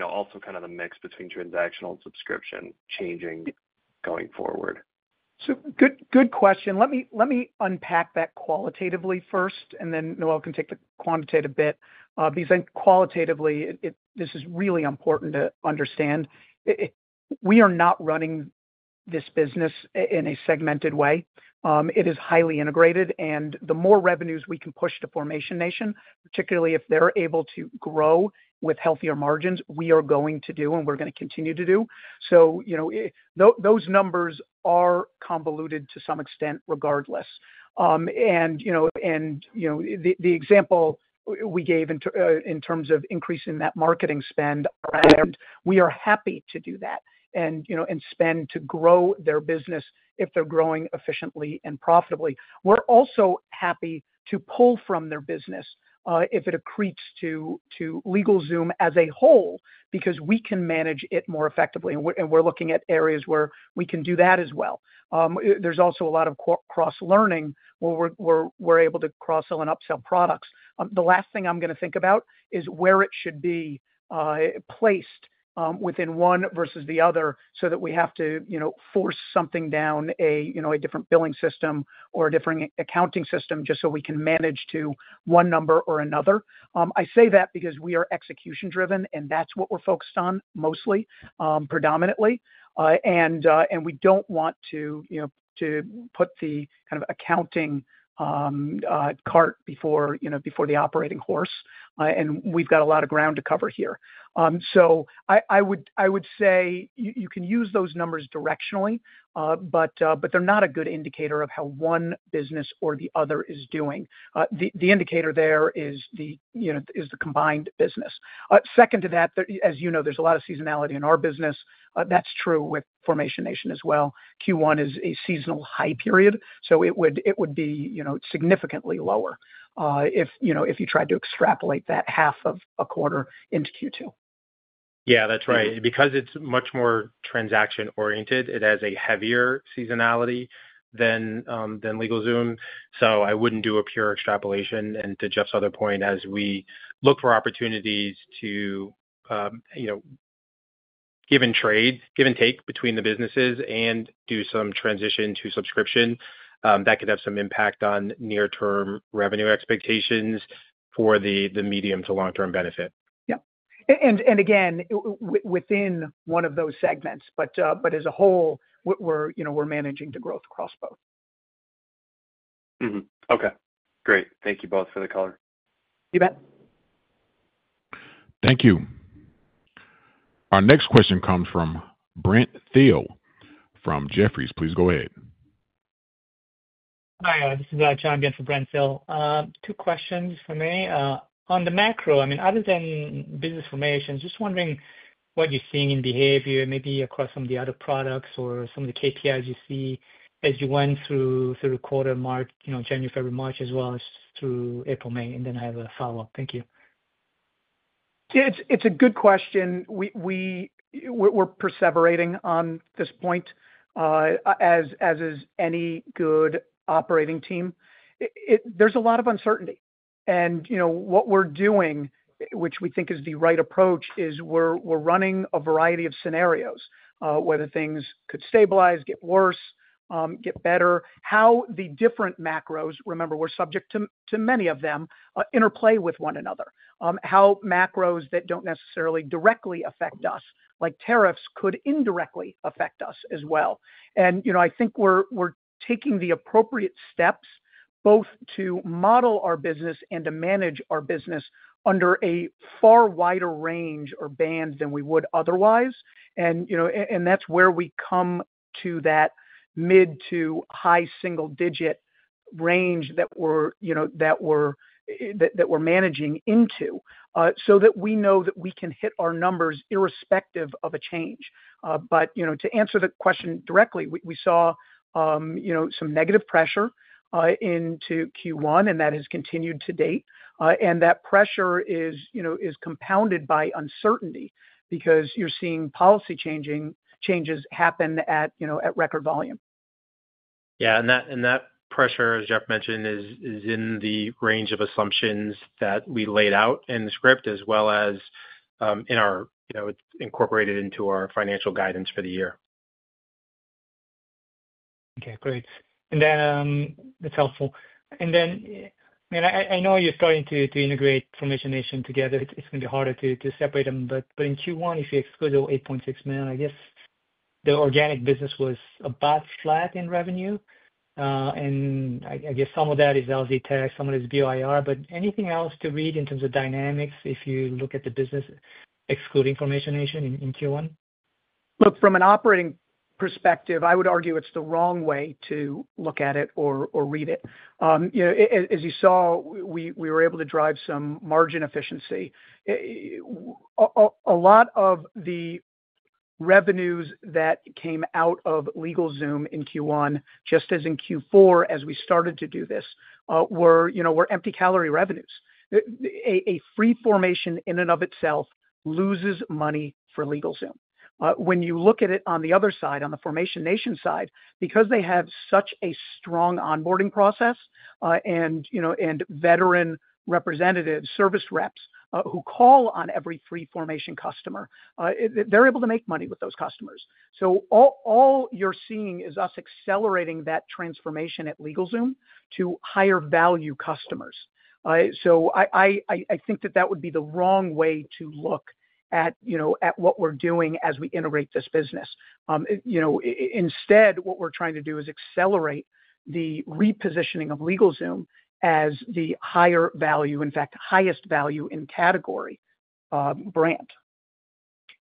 S6: Also, kind of the mix between transactional and subscription changing going forward.
S3: Good question. Let me unpack that qualitatively first, and then Noel can take the quantitative bit. Because qualitatively, this is really important to understand. We are not running this business in a segmented way. It is highly integrated. The more revenues we can push to Formation Nation, particularly if they're able to grow with healthier margins, we are going to do, and we're going to continue to do. Those numbers are convoluted to some extent regardless. The example we gave in terms of increasing that marketing spend around. We are happy to do that and spend to grow their business if they're growing efficiently and profitably. We're also happy to pull from their business if it accretes to LegalZoom as a whole because we can manage it more effectively. We are looking at areas where we can do that as well. There's also a lot of cross-learning where we're able to cross-sell and upsell products. The last thing I'm going to think about is where it should be placed within one versus the other so that we have to force something down a different billing system or a different accounting system just so we can manage to one number or another. I say that because we are execution-driven, and that's what we're focused on mostly, predominantly. We don't want to put the kind of accounting cart before the operating horse. We've got a lot of ground to cover here. I would say you can use those numbers directionally, but they're not a good indicator of how one business or the other is doing. The indicator there is the combined business. Second to that, as you know, there's a lot of seasonality in our business. That's true with Formation Nation as well. Q1 is a seasonal high period, so it would be significantly lower if you tried to extrapolate that half of a quarter into Q2.
S4: Yeah, that's right. Because it's much more transaction-oriented, it has a heavier seasonality than LegalZoom. I wouldn't do a pure extrapolation. To Jeff's other point, as we look for opportunities to give and trade, give and take between the businesses and do some transition to subscription, that could have some impact on near-term revenue expectations for the medium to long-term benefit.
S3: Yeah. Again, within one of those segments. As a whole, we're managing to growth across both.
S6: Okay. Great. Thank you both for the color.
S3: You bet.
S1: Thank you. Our next question comes from Brent Thill from Jefferies. Please go ahead.
S7: Hi. This is John Byun for Brent Thill. Two questions for me. On the macro, I mean, other than business formations, just wondering what you're seeing in behavior, maybe across some of the other products or some of the KPIs you see as you went through the quarter, January, February, March, as well as through April, May. I have a follow-up. Thank you.
S3: Yeah. It's a good question. We're perseverating on this point as is any good operating team. There's a lot of uncertainty. What we're doing, which we think is the right approach, is we're running a variety of scenarios, whether things could stabilize, get worse, get better, how the different macros, remember, we're subject to many of them, interplay with one another. How macros that do not necessarily directly affect us, like tariffs, could indirectly affect us as well. I think we're taking the appropriate steps both to model our business and to manage our business under a far wider range or band than we would otherwise. That's where we come to that mid to high single-digit range that we're managing into so that we know that we can hit our numbers irrespective of a change. To answer the question directly, we saw some negative pressure into Q1, and that has continued to date. That pressure is compounded by uncertainty because you're seeing policy changes happen at record volume.
S4: Yeah. That pressure, as Jeff mentioned, is in the range of assumptions that we laid out in the script as well as incorporated into our financial guidance for the year.
S7: Okay. Great. That's helpful. I know you're starting to integrate Formation Nation together. It's going to be harder to separate them. In Q1, if you exclude the $8.6 million, I guess the organic business was about flat in revenue. I guess some of that is LZ tech, some of it is BYR. Anything else to read in terms of dynamics if you look at the business excluding Formation Nation in Q1?
S3: Look, from an operating perspective, I would argue it's the wrong way to look at it or read it. As you saw, we were able to drive some margin efficiency. A lot of the revenues that came out of LegalZoom in Q1, just as in Q4 as we started to do this, were empty calorie revenues. A free formation in and of itself loses money for LegalZoom. When you look at it on the other side, on the Formation Nation side, because they have such a strong onboarding process and veteran representatives, service reps who call on every free formation customer, they're able to make money with those customers. All you're seeing is us accelerating that transformation at LegalZoom to higher value customers. I think that that would be the wrong way to look at what we're doing as we integrate this business. Instead, what we're trying to do is accelerate the repositioning of LegalZoom as the higher value, in fact, highest value in category brand.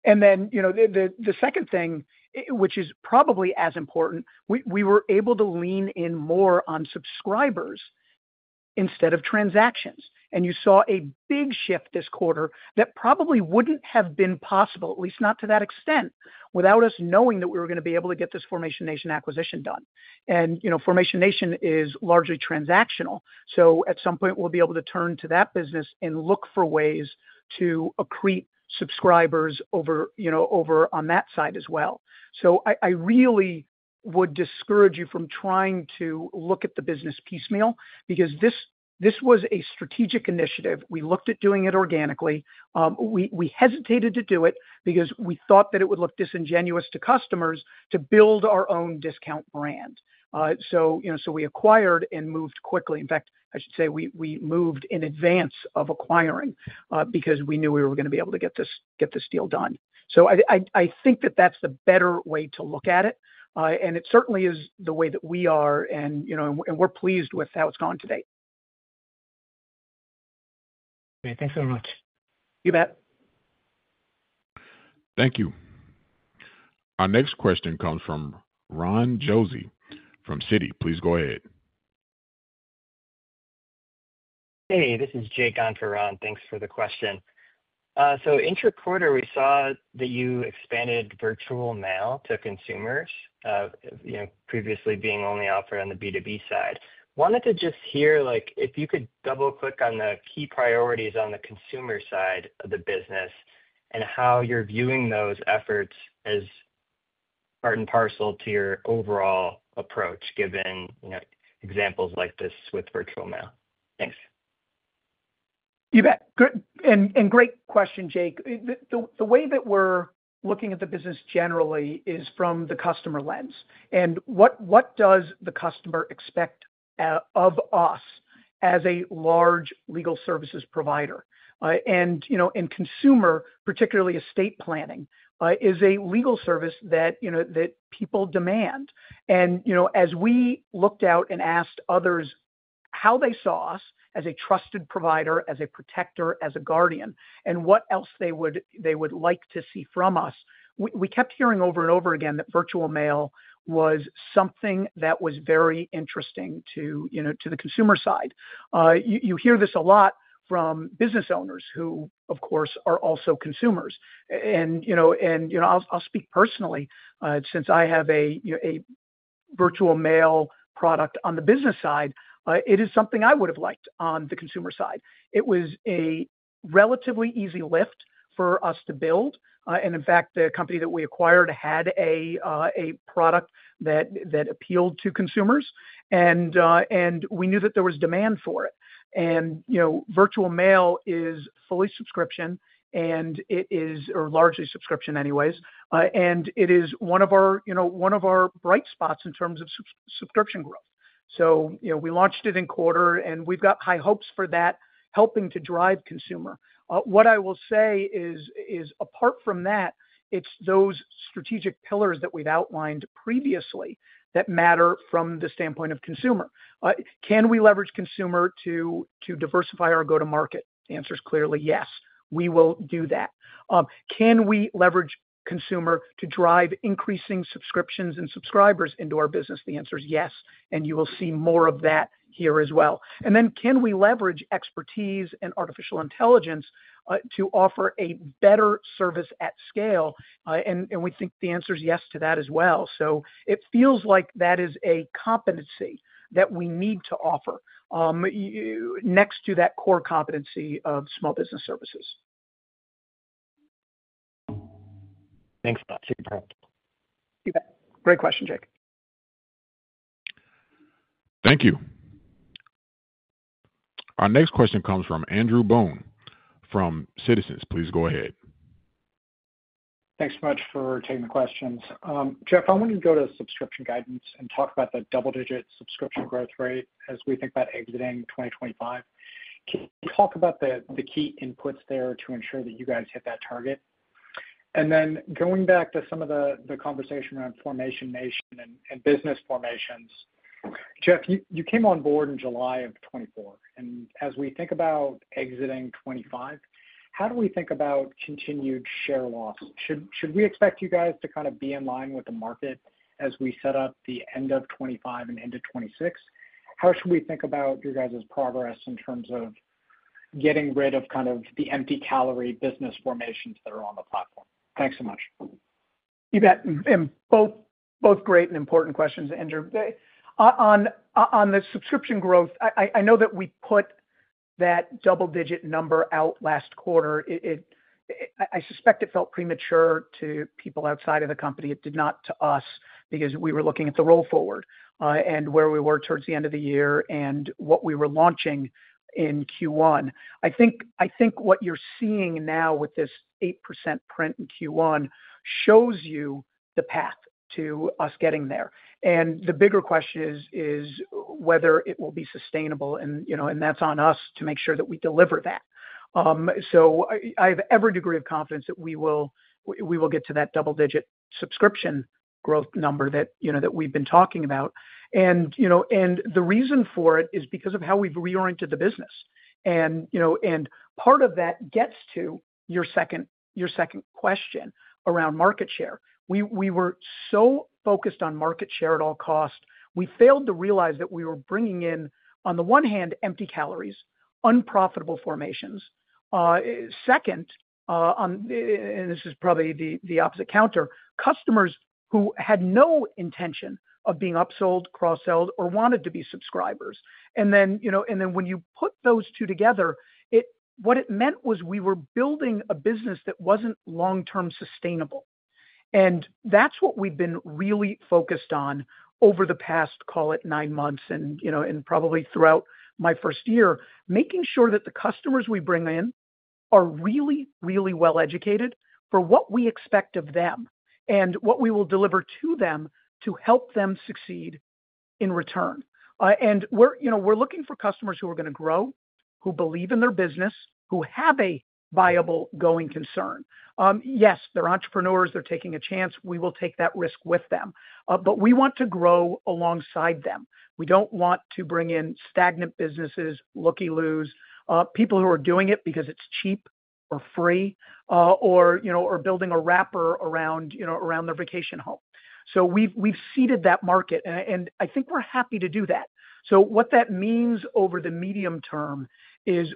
S3: The second thing, which is probably as important, we were able to lean in more on subscribers instead of transactions. You saw a big shift this quarter that probably would not have been possible, at least not to that extent, without us knowing that we were going to be able to get this Formation Nation acquisition done. Formation Nation is largely transactional. At some point, we will be able to turn to that business and look for ways to accrete subscribers over on that side as well. I really would discourage you from trying to look at the business piecemeal because this was a strategic initiative. We looked at doing it organically. We hesitated to do it because we thought that it would look disingenuous to customers to build our own discount brand. We acquired and moved quickly. In fact, I should say we moved in advance of acquiring because we knew we were going to be able to get this deal done. I think that that's the better way to look at it. It certainly is the way that we are, and we're pleased with how it's gone today.
S7: Okay. Thanks very much.
S3: You bet.
S1: Thank you. Our next question comes from Ron Josey from Citi. Please go ahead.
S8: Hey, this is Jake on for Ron. Thanks for the question. Intra-quarter, we saw that you expanded virtual mail to consumers, previously being only offered on the B2B side. Wanted to just hear if you could double-click on the key priorities on the consumer side of the business and how you're viewing those efforts as part and parcel to your overall approach given examples like this with virtual mail. Thanks.
S3: You bet. Great question, Jake. The way that we're looking at the business generally is from the customer lens. What does the customer expect of us as a large legal services provider? Consumer, particularly estate planning, is a legal service that people demand. As we looked out and asked others how they saw us as a trusted provider, as a protector, as a guardian, and what else they would like to see from us, we kept hearing over and over again that virtual mail was something that was very interesting to the consumer side. You hear this a lot from business owners who, of course, are also consumers. I'll speak personally. Since I have a virtual mail product on the business side, it is something I would have liked on the consumer side. It was a relatively easy lift for us to build. In fact, the company that we acquired had a product that appealed to consumers, and we knew that there was demand for it. Virtual mail is fully subscription, and it is largely subscription anyways. It is one of our bright spots in terms of subscription growth. We launched it in quarter, and we've got high hopes for that helping to drive consumer. What I will say is, apart from that, it's those strategic pillars that we've outlined previously that matter from the standpoint of consumer. Can we leverage consumer to diversify our go-to-market? The answer is clearly yes. We will do that. Can we leverage consumer to drive increasing subscriptions and subscribers into our business? The answer is yes. You will see more of that here as well. Can we leverage expertise and artificial intelligence to offer a better service at scale? We think the answer is yes to that as well. It feels like that is a competency that we need to offer next to that core competency of small business services.
S8: Thanks a lot.
S3: You bet. Great question, Jake.
S1: Thank you. Our next question comes from Andrew Boone from Citizens. Please go ahead.
S9: Thanks so much for taking the questions. Jeff, I wanted to go to subscription guidance and talk about the double-digit subscription growth rate as we think about exiting 2025. Can you talk about the key inputs there to ensure that you guys hit that target? Going back to some of the conversation around Formation Nation and business formations, Jeff, you came on board in July of 2024. As we think about exiting 2025, how do we think about continued share loss? Should we expect you guys to kind of be in line with the market as we set up the end of 2025 and into 2026? How should we think about your guys' progress in terms of getting rid of kind of the empty calorie business formations that are on the platform? Thanks so much.
S3: You bet. Both great and important questions, Andrew. On the subscription growth, I know that we put that double-digit number out last quarter. I suspect it felt premature to people outside of the company. It did not to us because we were looking at the roll forward and where we were towards the end of the year and what we were launching in Q1. I think what you're seeing now with this 8% print in Q1 shows you the path to us getting there. The bigger question is whether it will be sustainable, and that is on us to make sure that we deliver that. I have every degree of confidence that we will get to that double-digit subscription growth number that we have been talking about. The reason for it is because of how we have reoriented the business. Part of that gets to your second question around market share. We were so focused on market share at all costs. We failed to realize that we were bringing in, on the one hand, empty calories, unprofitable formations. Second, and this is probably the opposite counter, customers who had no intention of being upsold, cross-sold, or wanted to be subscribers. When you put those two together, what it meant was we were building a business that was not long-term sustainable. That is what we have been really focused on over the past, call it, nine months and probably throughout my first year, making sure that the customers we bring in are really, really well-educated for what we expect of them and what we will deliver to them to help them succeed in return. We are looking for customers who are going to grow, who believe in their business, who have a viable going concern. Yes, they are entrepreneurs. They are taking a chance. We will take that risk with them. We want to grow alongside them. We do not want to bring in stagnant businesses, looky-loos, people who are doing it because it is cheap or free or building a wrapper around their vacation home. We have seeded that market, and I think we are happy to do that. What that means over the medium term is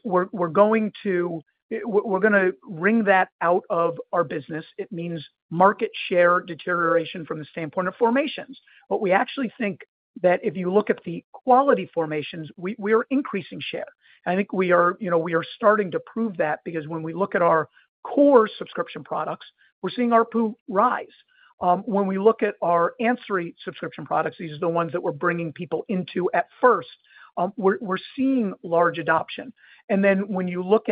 S3: we're going to ring that out of our business. It means market share deterioration from the standpoint of formations. We actually think that if you look at the quality formations, we are increasing share. I think we are starting to prove that because when we look at our core subscription products, we're seeing ARPU rise. When we look at our answering subscription products, these are the ones that we're bringing people into at first, we're seeing large adoption. When you look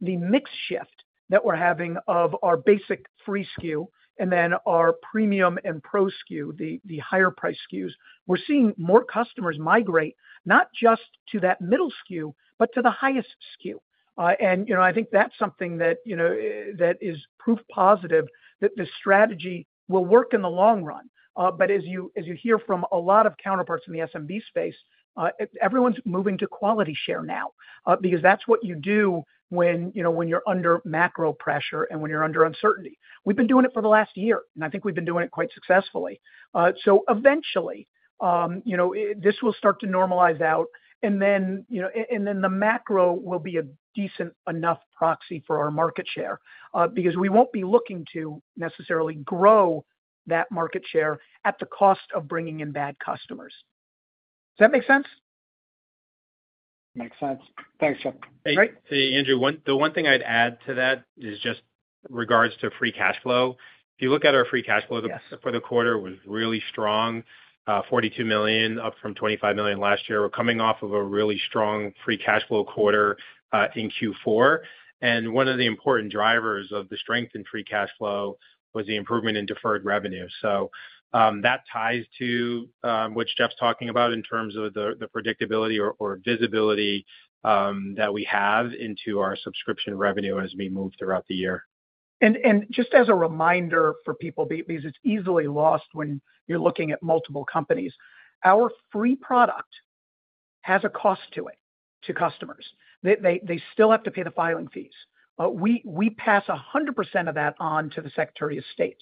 S3: at the mix shift that we're having of our basic free SKU and then our premium and pro SKU, the higher price SKUs, we're seeing more customers migrate not just to that middle SKU, but to the highest SKU. I think that's something that is proof positive that this strategy will work in the long run. As you hear from a lot of counterparts in the SMB space, everyone's moving to quality share now because that's what you do when you're under macro pressure and when you're under uncertainty. We've been doing it for the last year, and I think we've been doing it quite successfully. Eventually, this will start to normalize out, and then the macro will be a decent enough proxy for our market share because we won't be looking to necessarily grow that market share at the cost of bringing in bad customers. Does that make sense?
S9: Makes sense. Thanks, Jeff.
S4: Hey, Andrew. The one thing I'd add to that is just regards to free cash flow. If you look at our free cash flow for the quarter, it was really strong, $42 million, up from $25 million last year. We're coming off of a really strong free cash flow quarter in Q4. One of the important drivers of the strength in free cash flow was the improvement in deferred revenue. That ties to what Jeff's talking about in terms of the predictability or visibility that we have into our subscription revenue as we move throughout the year.
S3: Just as a reminder for people, because it's easily lost when you're looking at multiple companies, our free product has a cost to it to customers. They still have to pay the filing fees. We pass 100% of that on to the Secretary of States,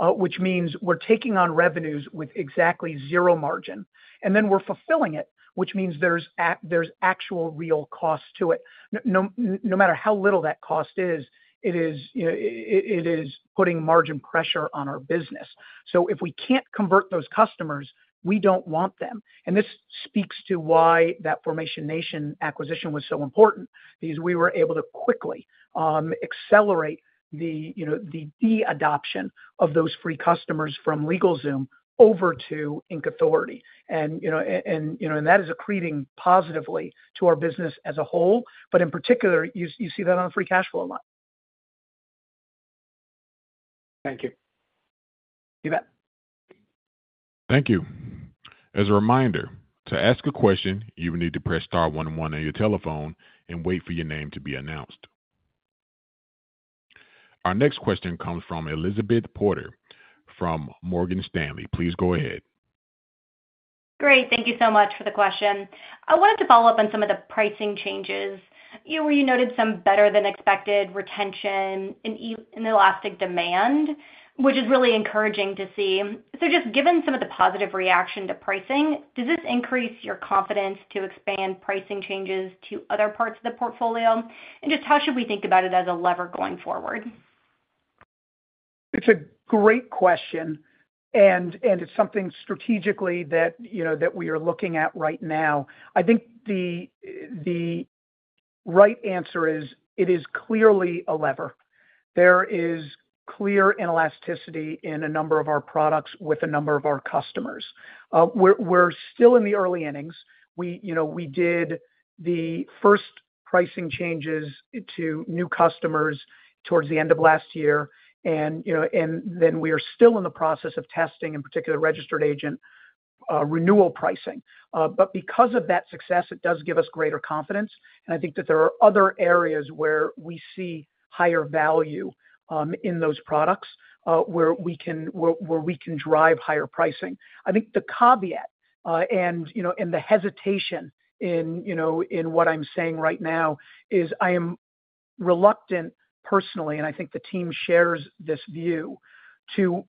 S3: which means we're taking on revenues with exactly zero margin, and then we're fulfilling it, which means there's actual real cost to it. No matter how little that cost is, it is putting margin pressure on our business. If we can't convert those customers, we don't want them. This speaks to why that Formation Nation acquisition was so important because we were able to quickly accelerate the de-adoption of those free customers from LegalZoom over to Inc Authority. That is accreting positively to our business as a whole, but in particular, you see that on the free cash flow line.
S9: Thank you.
S3: You bet.
S1: Thank you. As a reminder, to ask a question, you will need to press star one one on your telephone and wait for your name to be announced. Our next question comes from Elizabeth Porter from Morgan Stanley. Please go ahead.
S10: Great. Thank you so much for the question. I wanted to follow up on some of the pricing changes. You noted some better-than-expected retention and elastic demand, which is really encouraging to see. Just given some of the positive reaction to pricing, does this increase your confidence to expand pricing changes to other parts of the portfolio? Just how should we think about it as a lever going forward?
S3: It's a great question, and it's something strategically that we are looking at right now. I think the right answer is it is clearly a lever. There is clear elasticity in a number of our products with a number of our customers. We're still in the early innings. We did the first pricing changes to new customers towards the end of last year, and we are still in the process of testing, in particular, registered agent renewal pricing. Because of that success, it does give us greater confidence. I think that there are other areas where we see higher value in those products where we can drive higher pricing. I think the caveat and the hesitation in what I'm saying right now is I am reluctant personally, and I think the team shares this view, to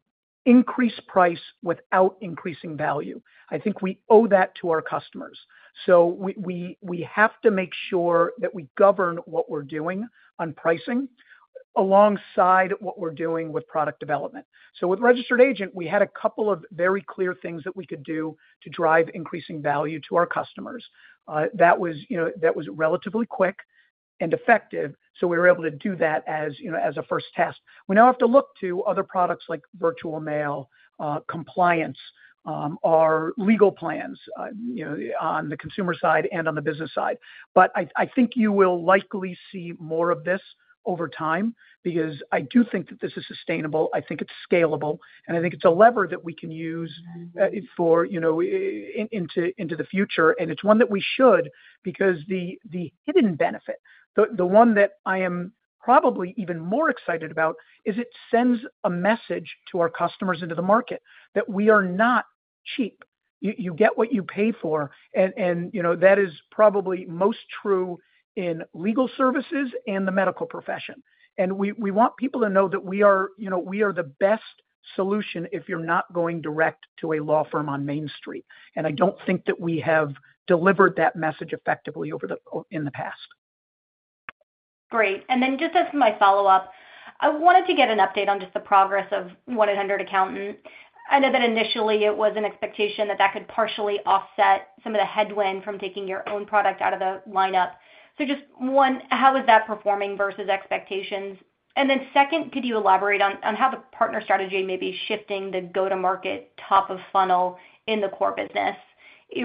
S3: increase price without increasing value. I think we owe that to our customers. We have to make sure that we govern what we're doing on pricing alongside what we're doing with product development. With Registered Agent, we had a couple of very clear things that we could do to drive increasing value to our customers. That was relatively quick and effective, so we were able to do that as a first test. We now have to look to other products like virtual mail, compliance, our legal plans on the consumer side and on the business side. I think you will likely see more of this over time because I do think that this is sustainable. I think it's scalable, and I think it's a lever that we can use into the future. It's one that we should because the hidden benefit, the one that I am probably even more excited about, is it sends a message to our customers into the market that we are not cheap. You get what you pay for, and that is probably most true in legal services and the medical profession. We want people to know that we are the best solution if you're not going direct to a law firm on Main Street. I don't think that we have delivered that message effectively in the past.
S10: Great. Just as my follow-up, I wanted to get an update on just the progress of 1-800Accountant. I know that initially it was an expectation that that could partially offset some of the headwind from taking your own product out of the lineup. Just one, how is that performing versus expectations? Second, could you elaborate on how the partner strategy may be shifting the go-to-market top of funnel in the core business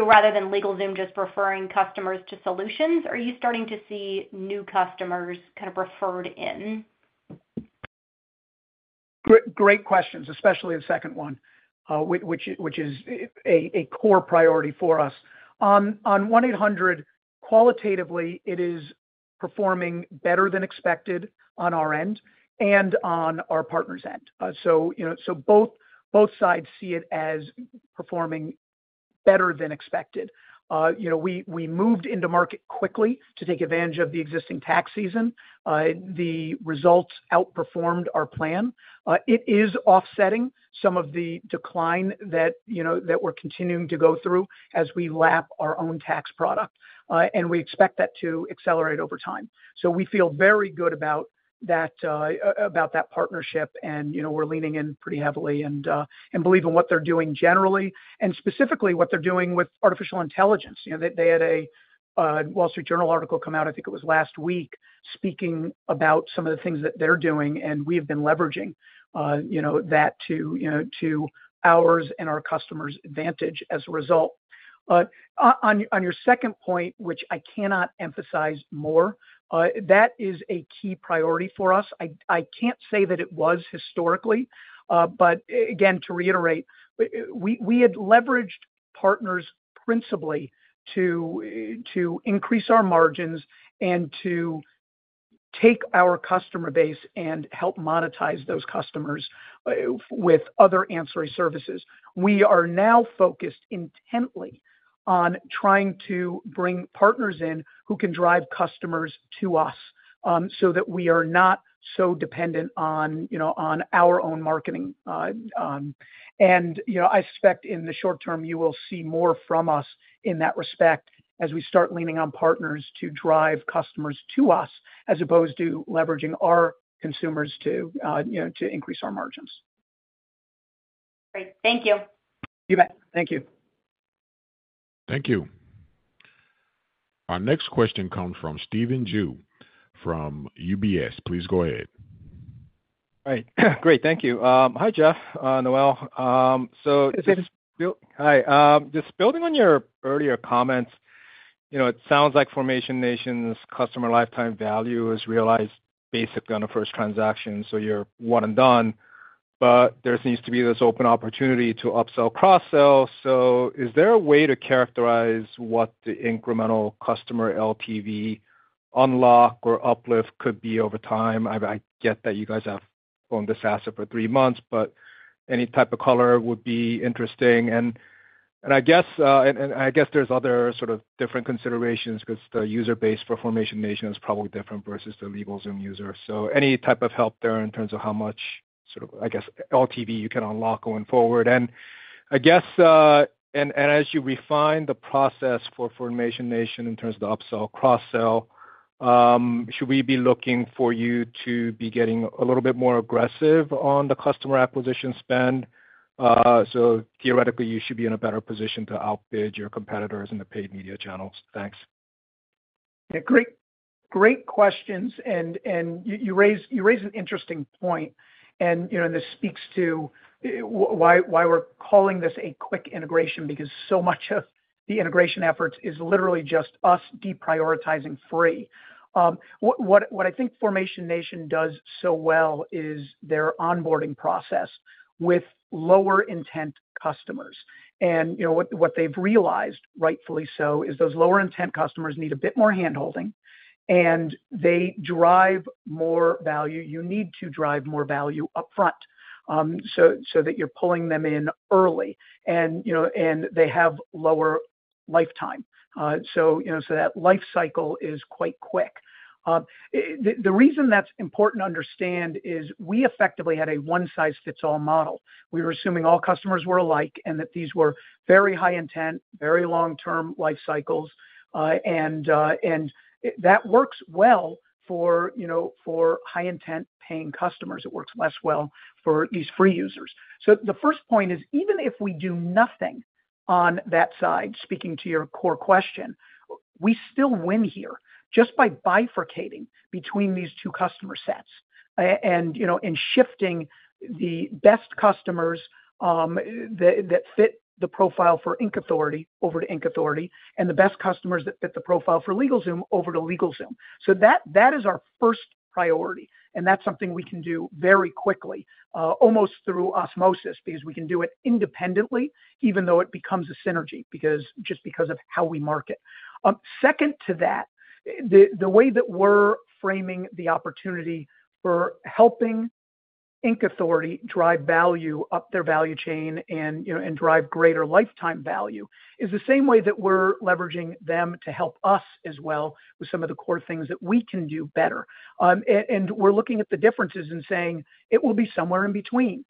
S10: rather than LegalZoom just referring customers to solutions? Are you starting to see new customers kind of referred in?
S3: Great questions, especially the second one, which is a core priority for us. On 1-800, qualitatively, it is performing better than expected on our end and on our partner's end. Both sides see it as performing better than expected. We moved into market quickly to take advantage of the existing tax season. The results outperformed our plan. It is offsetting some of the decline that we're continuing to go through as we lap our own tax product, and we expect that to accelerate over time. We feel very good about that partnership, and we're leaning in pretty heavily and believe in what they're doing generally and specifically what they're doing with artificial intelligence. They had a Wall Street Journal article come out, I think it was last week, speaking about some of the things that they're doing, and we have been leveraging that to ours and our customers' advantage as a result. On your second point, which I cannot emphasize more, that is a key priority for us. I can't say that it was historically, but again, to reiterate, we had leveraged partners principally to increase our margins and to take our customer base and help monetize those customers with other answering services. We are now focused intently on trying to bring partners in who can drive customers to us so that we are not so dependent on our own marketing. I suspect in the short term, you will see more from us in that respect as we start leaning on partners to drive customers to us as opposed to leveraging our consumers to increase our margins.
S10: Great. Thank you.
S3: You bet. Thank you.
S1: Thank you. Our next question comes from Stephen Ju from UBS. Please go ahead.
S11: All right. Great. Thank you. Hi, Jeff, Noel. Building on your earlier comments, it sounds like Formation Nation's customer lifetime value is realized basically on a first transaction, so you're one and done. There needs to be this open opportunity to upsell, cross-sell. Is there a way to characterize what the incremental customer LTV unlock or uplift could be over time? I get that you guys have owned this asset for three months, but any type of color would be interesting. I guess there are other sort of different considerations because the user base for Formation Nation is probably different versus the LegalZoom user. Any type of help there in terms of how much, I guess, LTV you can unlock going forward? As you refine the process for Formation Nation in terms of the upsell, cross-sell, should we be looking for you to be getting a little bit more aggressive on the customer acquisition spend? Theoretically, you should be in a better position to outbid your competitors in the paid media channels. Thanks.
S3: Yeah. Great questions. You raise an interesting point, and this speaks to why we are calling this a quick integration because so much of the integration efforts is literally just us deprioritizing free. What I think Formation Nation does so well is their onboarding process with lower-intent customers. What they have realized, rightfully so, is those lower-intent customers need a bit more handholding, and they drive more value. You need to drive more value upfront so that you are pulling them in early, and they have lower lifetime. That life cycle is quite quick. The reason that's important to understand is we effectively had a one-size-fits-all model. We were assuming all customers were alike and that these were very high-intent, very long-term life cycles. That works well for high-intent paying customers. It works less well for these free users. The first point is even if we do nothing on that side, speaking to your core question, we still win here just by bifurcating between these two customer sets and shifting the best customers that fit the profile for Inc Authority over to Inc Authority and the best customers that fit the profile for LegalZoom over to LegalZoom. That is our first priority, and that's something we can do very quickly, almost through osmosis, because we can do it independently, even though it becomes a synergy just because of how we market. Second to that, the way that we're framing the opportunity for helping Inc Authority drive value up their value chain and drive greater lifetime value is the same way that we're leveraging them to help us as well with some of the core things that we can do better. We're looking at the differences and saying it will be somewhere in between.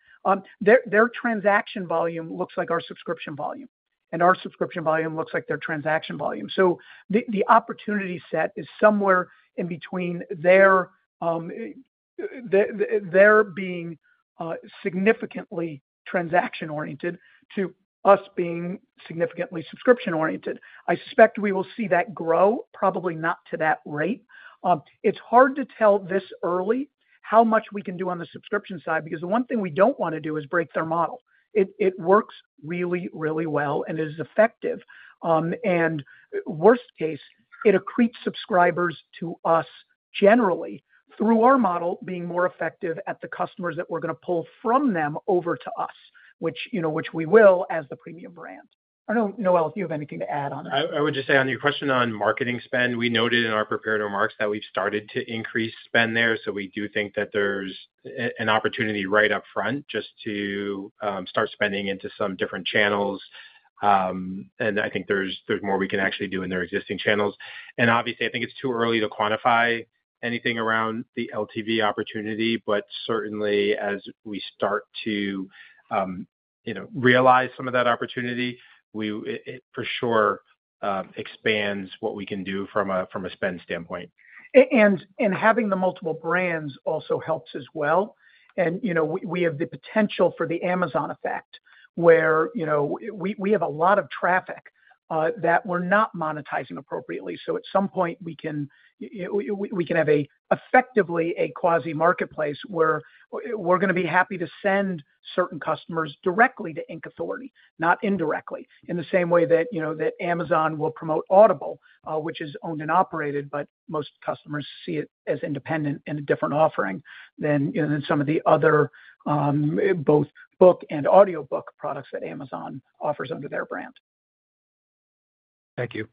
S3: Their transaction volume looks like our subscription volume, and our subscription volume looks like their transaction volume. The opportunity set is somewhere in between their being significantly transaction-oriented to us being significantly subscription-oriented. I suspect we will see that grow, probably not to that rate. It's hard to tell this early how much we can do on the subscription side because the one thing we don't want to do is break their model. It works really, really well, and it is effective. Worst case, it accretes subscribers to us generally through our model being more effective at the customers that we are going to pull from them over to us, which we will as the premium brand. I do not know, Noel, if you have anything to add on that.
S4: I would just say on your question on marketing spend, we noted in our prepared remarks that we have started to increase spend there. We do think that there is an opportunity right upfront just to start spending into some different channels. I think there is more we can actually do in their existing channels. Obviously, I think it is too early to quantify anything around the LTV opportunity, but certainly as we start to realize some of that opportunity, it for sure expands what we can do from a spend standpoint.
S3: Having the multiple brands also helps as well. We have the potential for the Amazon Effect where we have a lot of traffic that we're not monetizing appropriately. At some point, we can have effectively a quasi-marketplace where we're going to be happy to send certain customers directly to Inc Authority, not indirectly, in the same way that Amazon will promote Audible, which is owned and operated, but most customers see it as independent and a different offering than some of the other both book and audiobook products that Amazon offers under their brand.
S11: Thank you.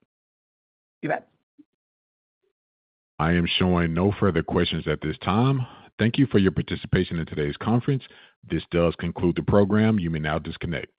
S3: You bet.
S1: I am showing no further questions at this time. Thank you for your participation in today's conference. This does conclude the program. You may now disconnect.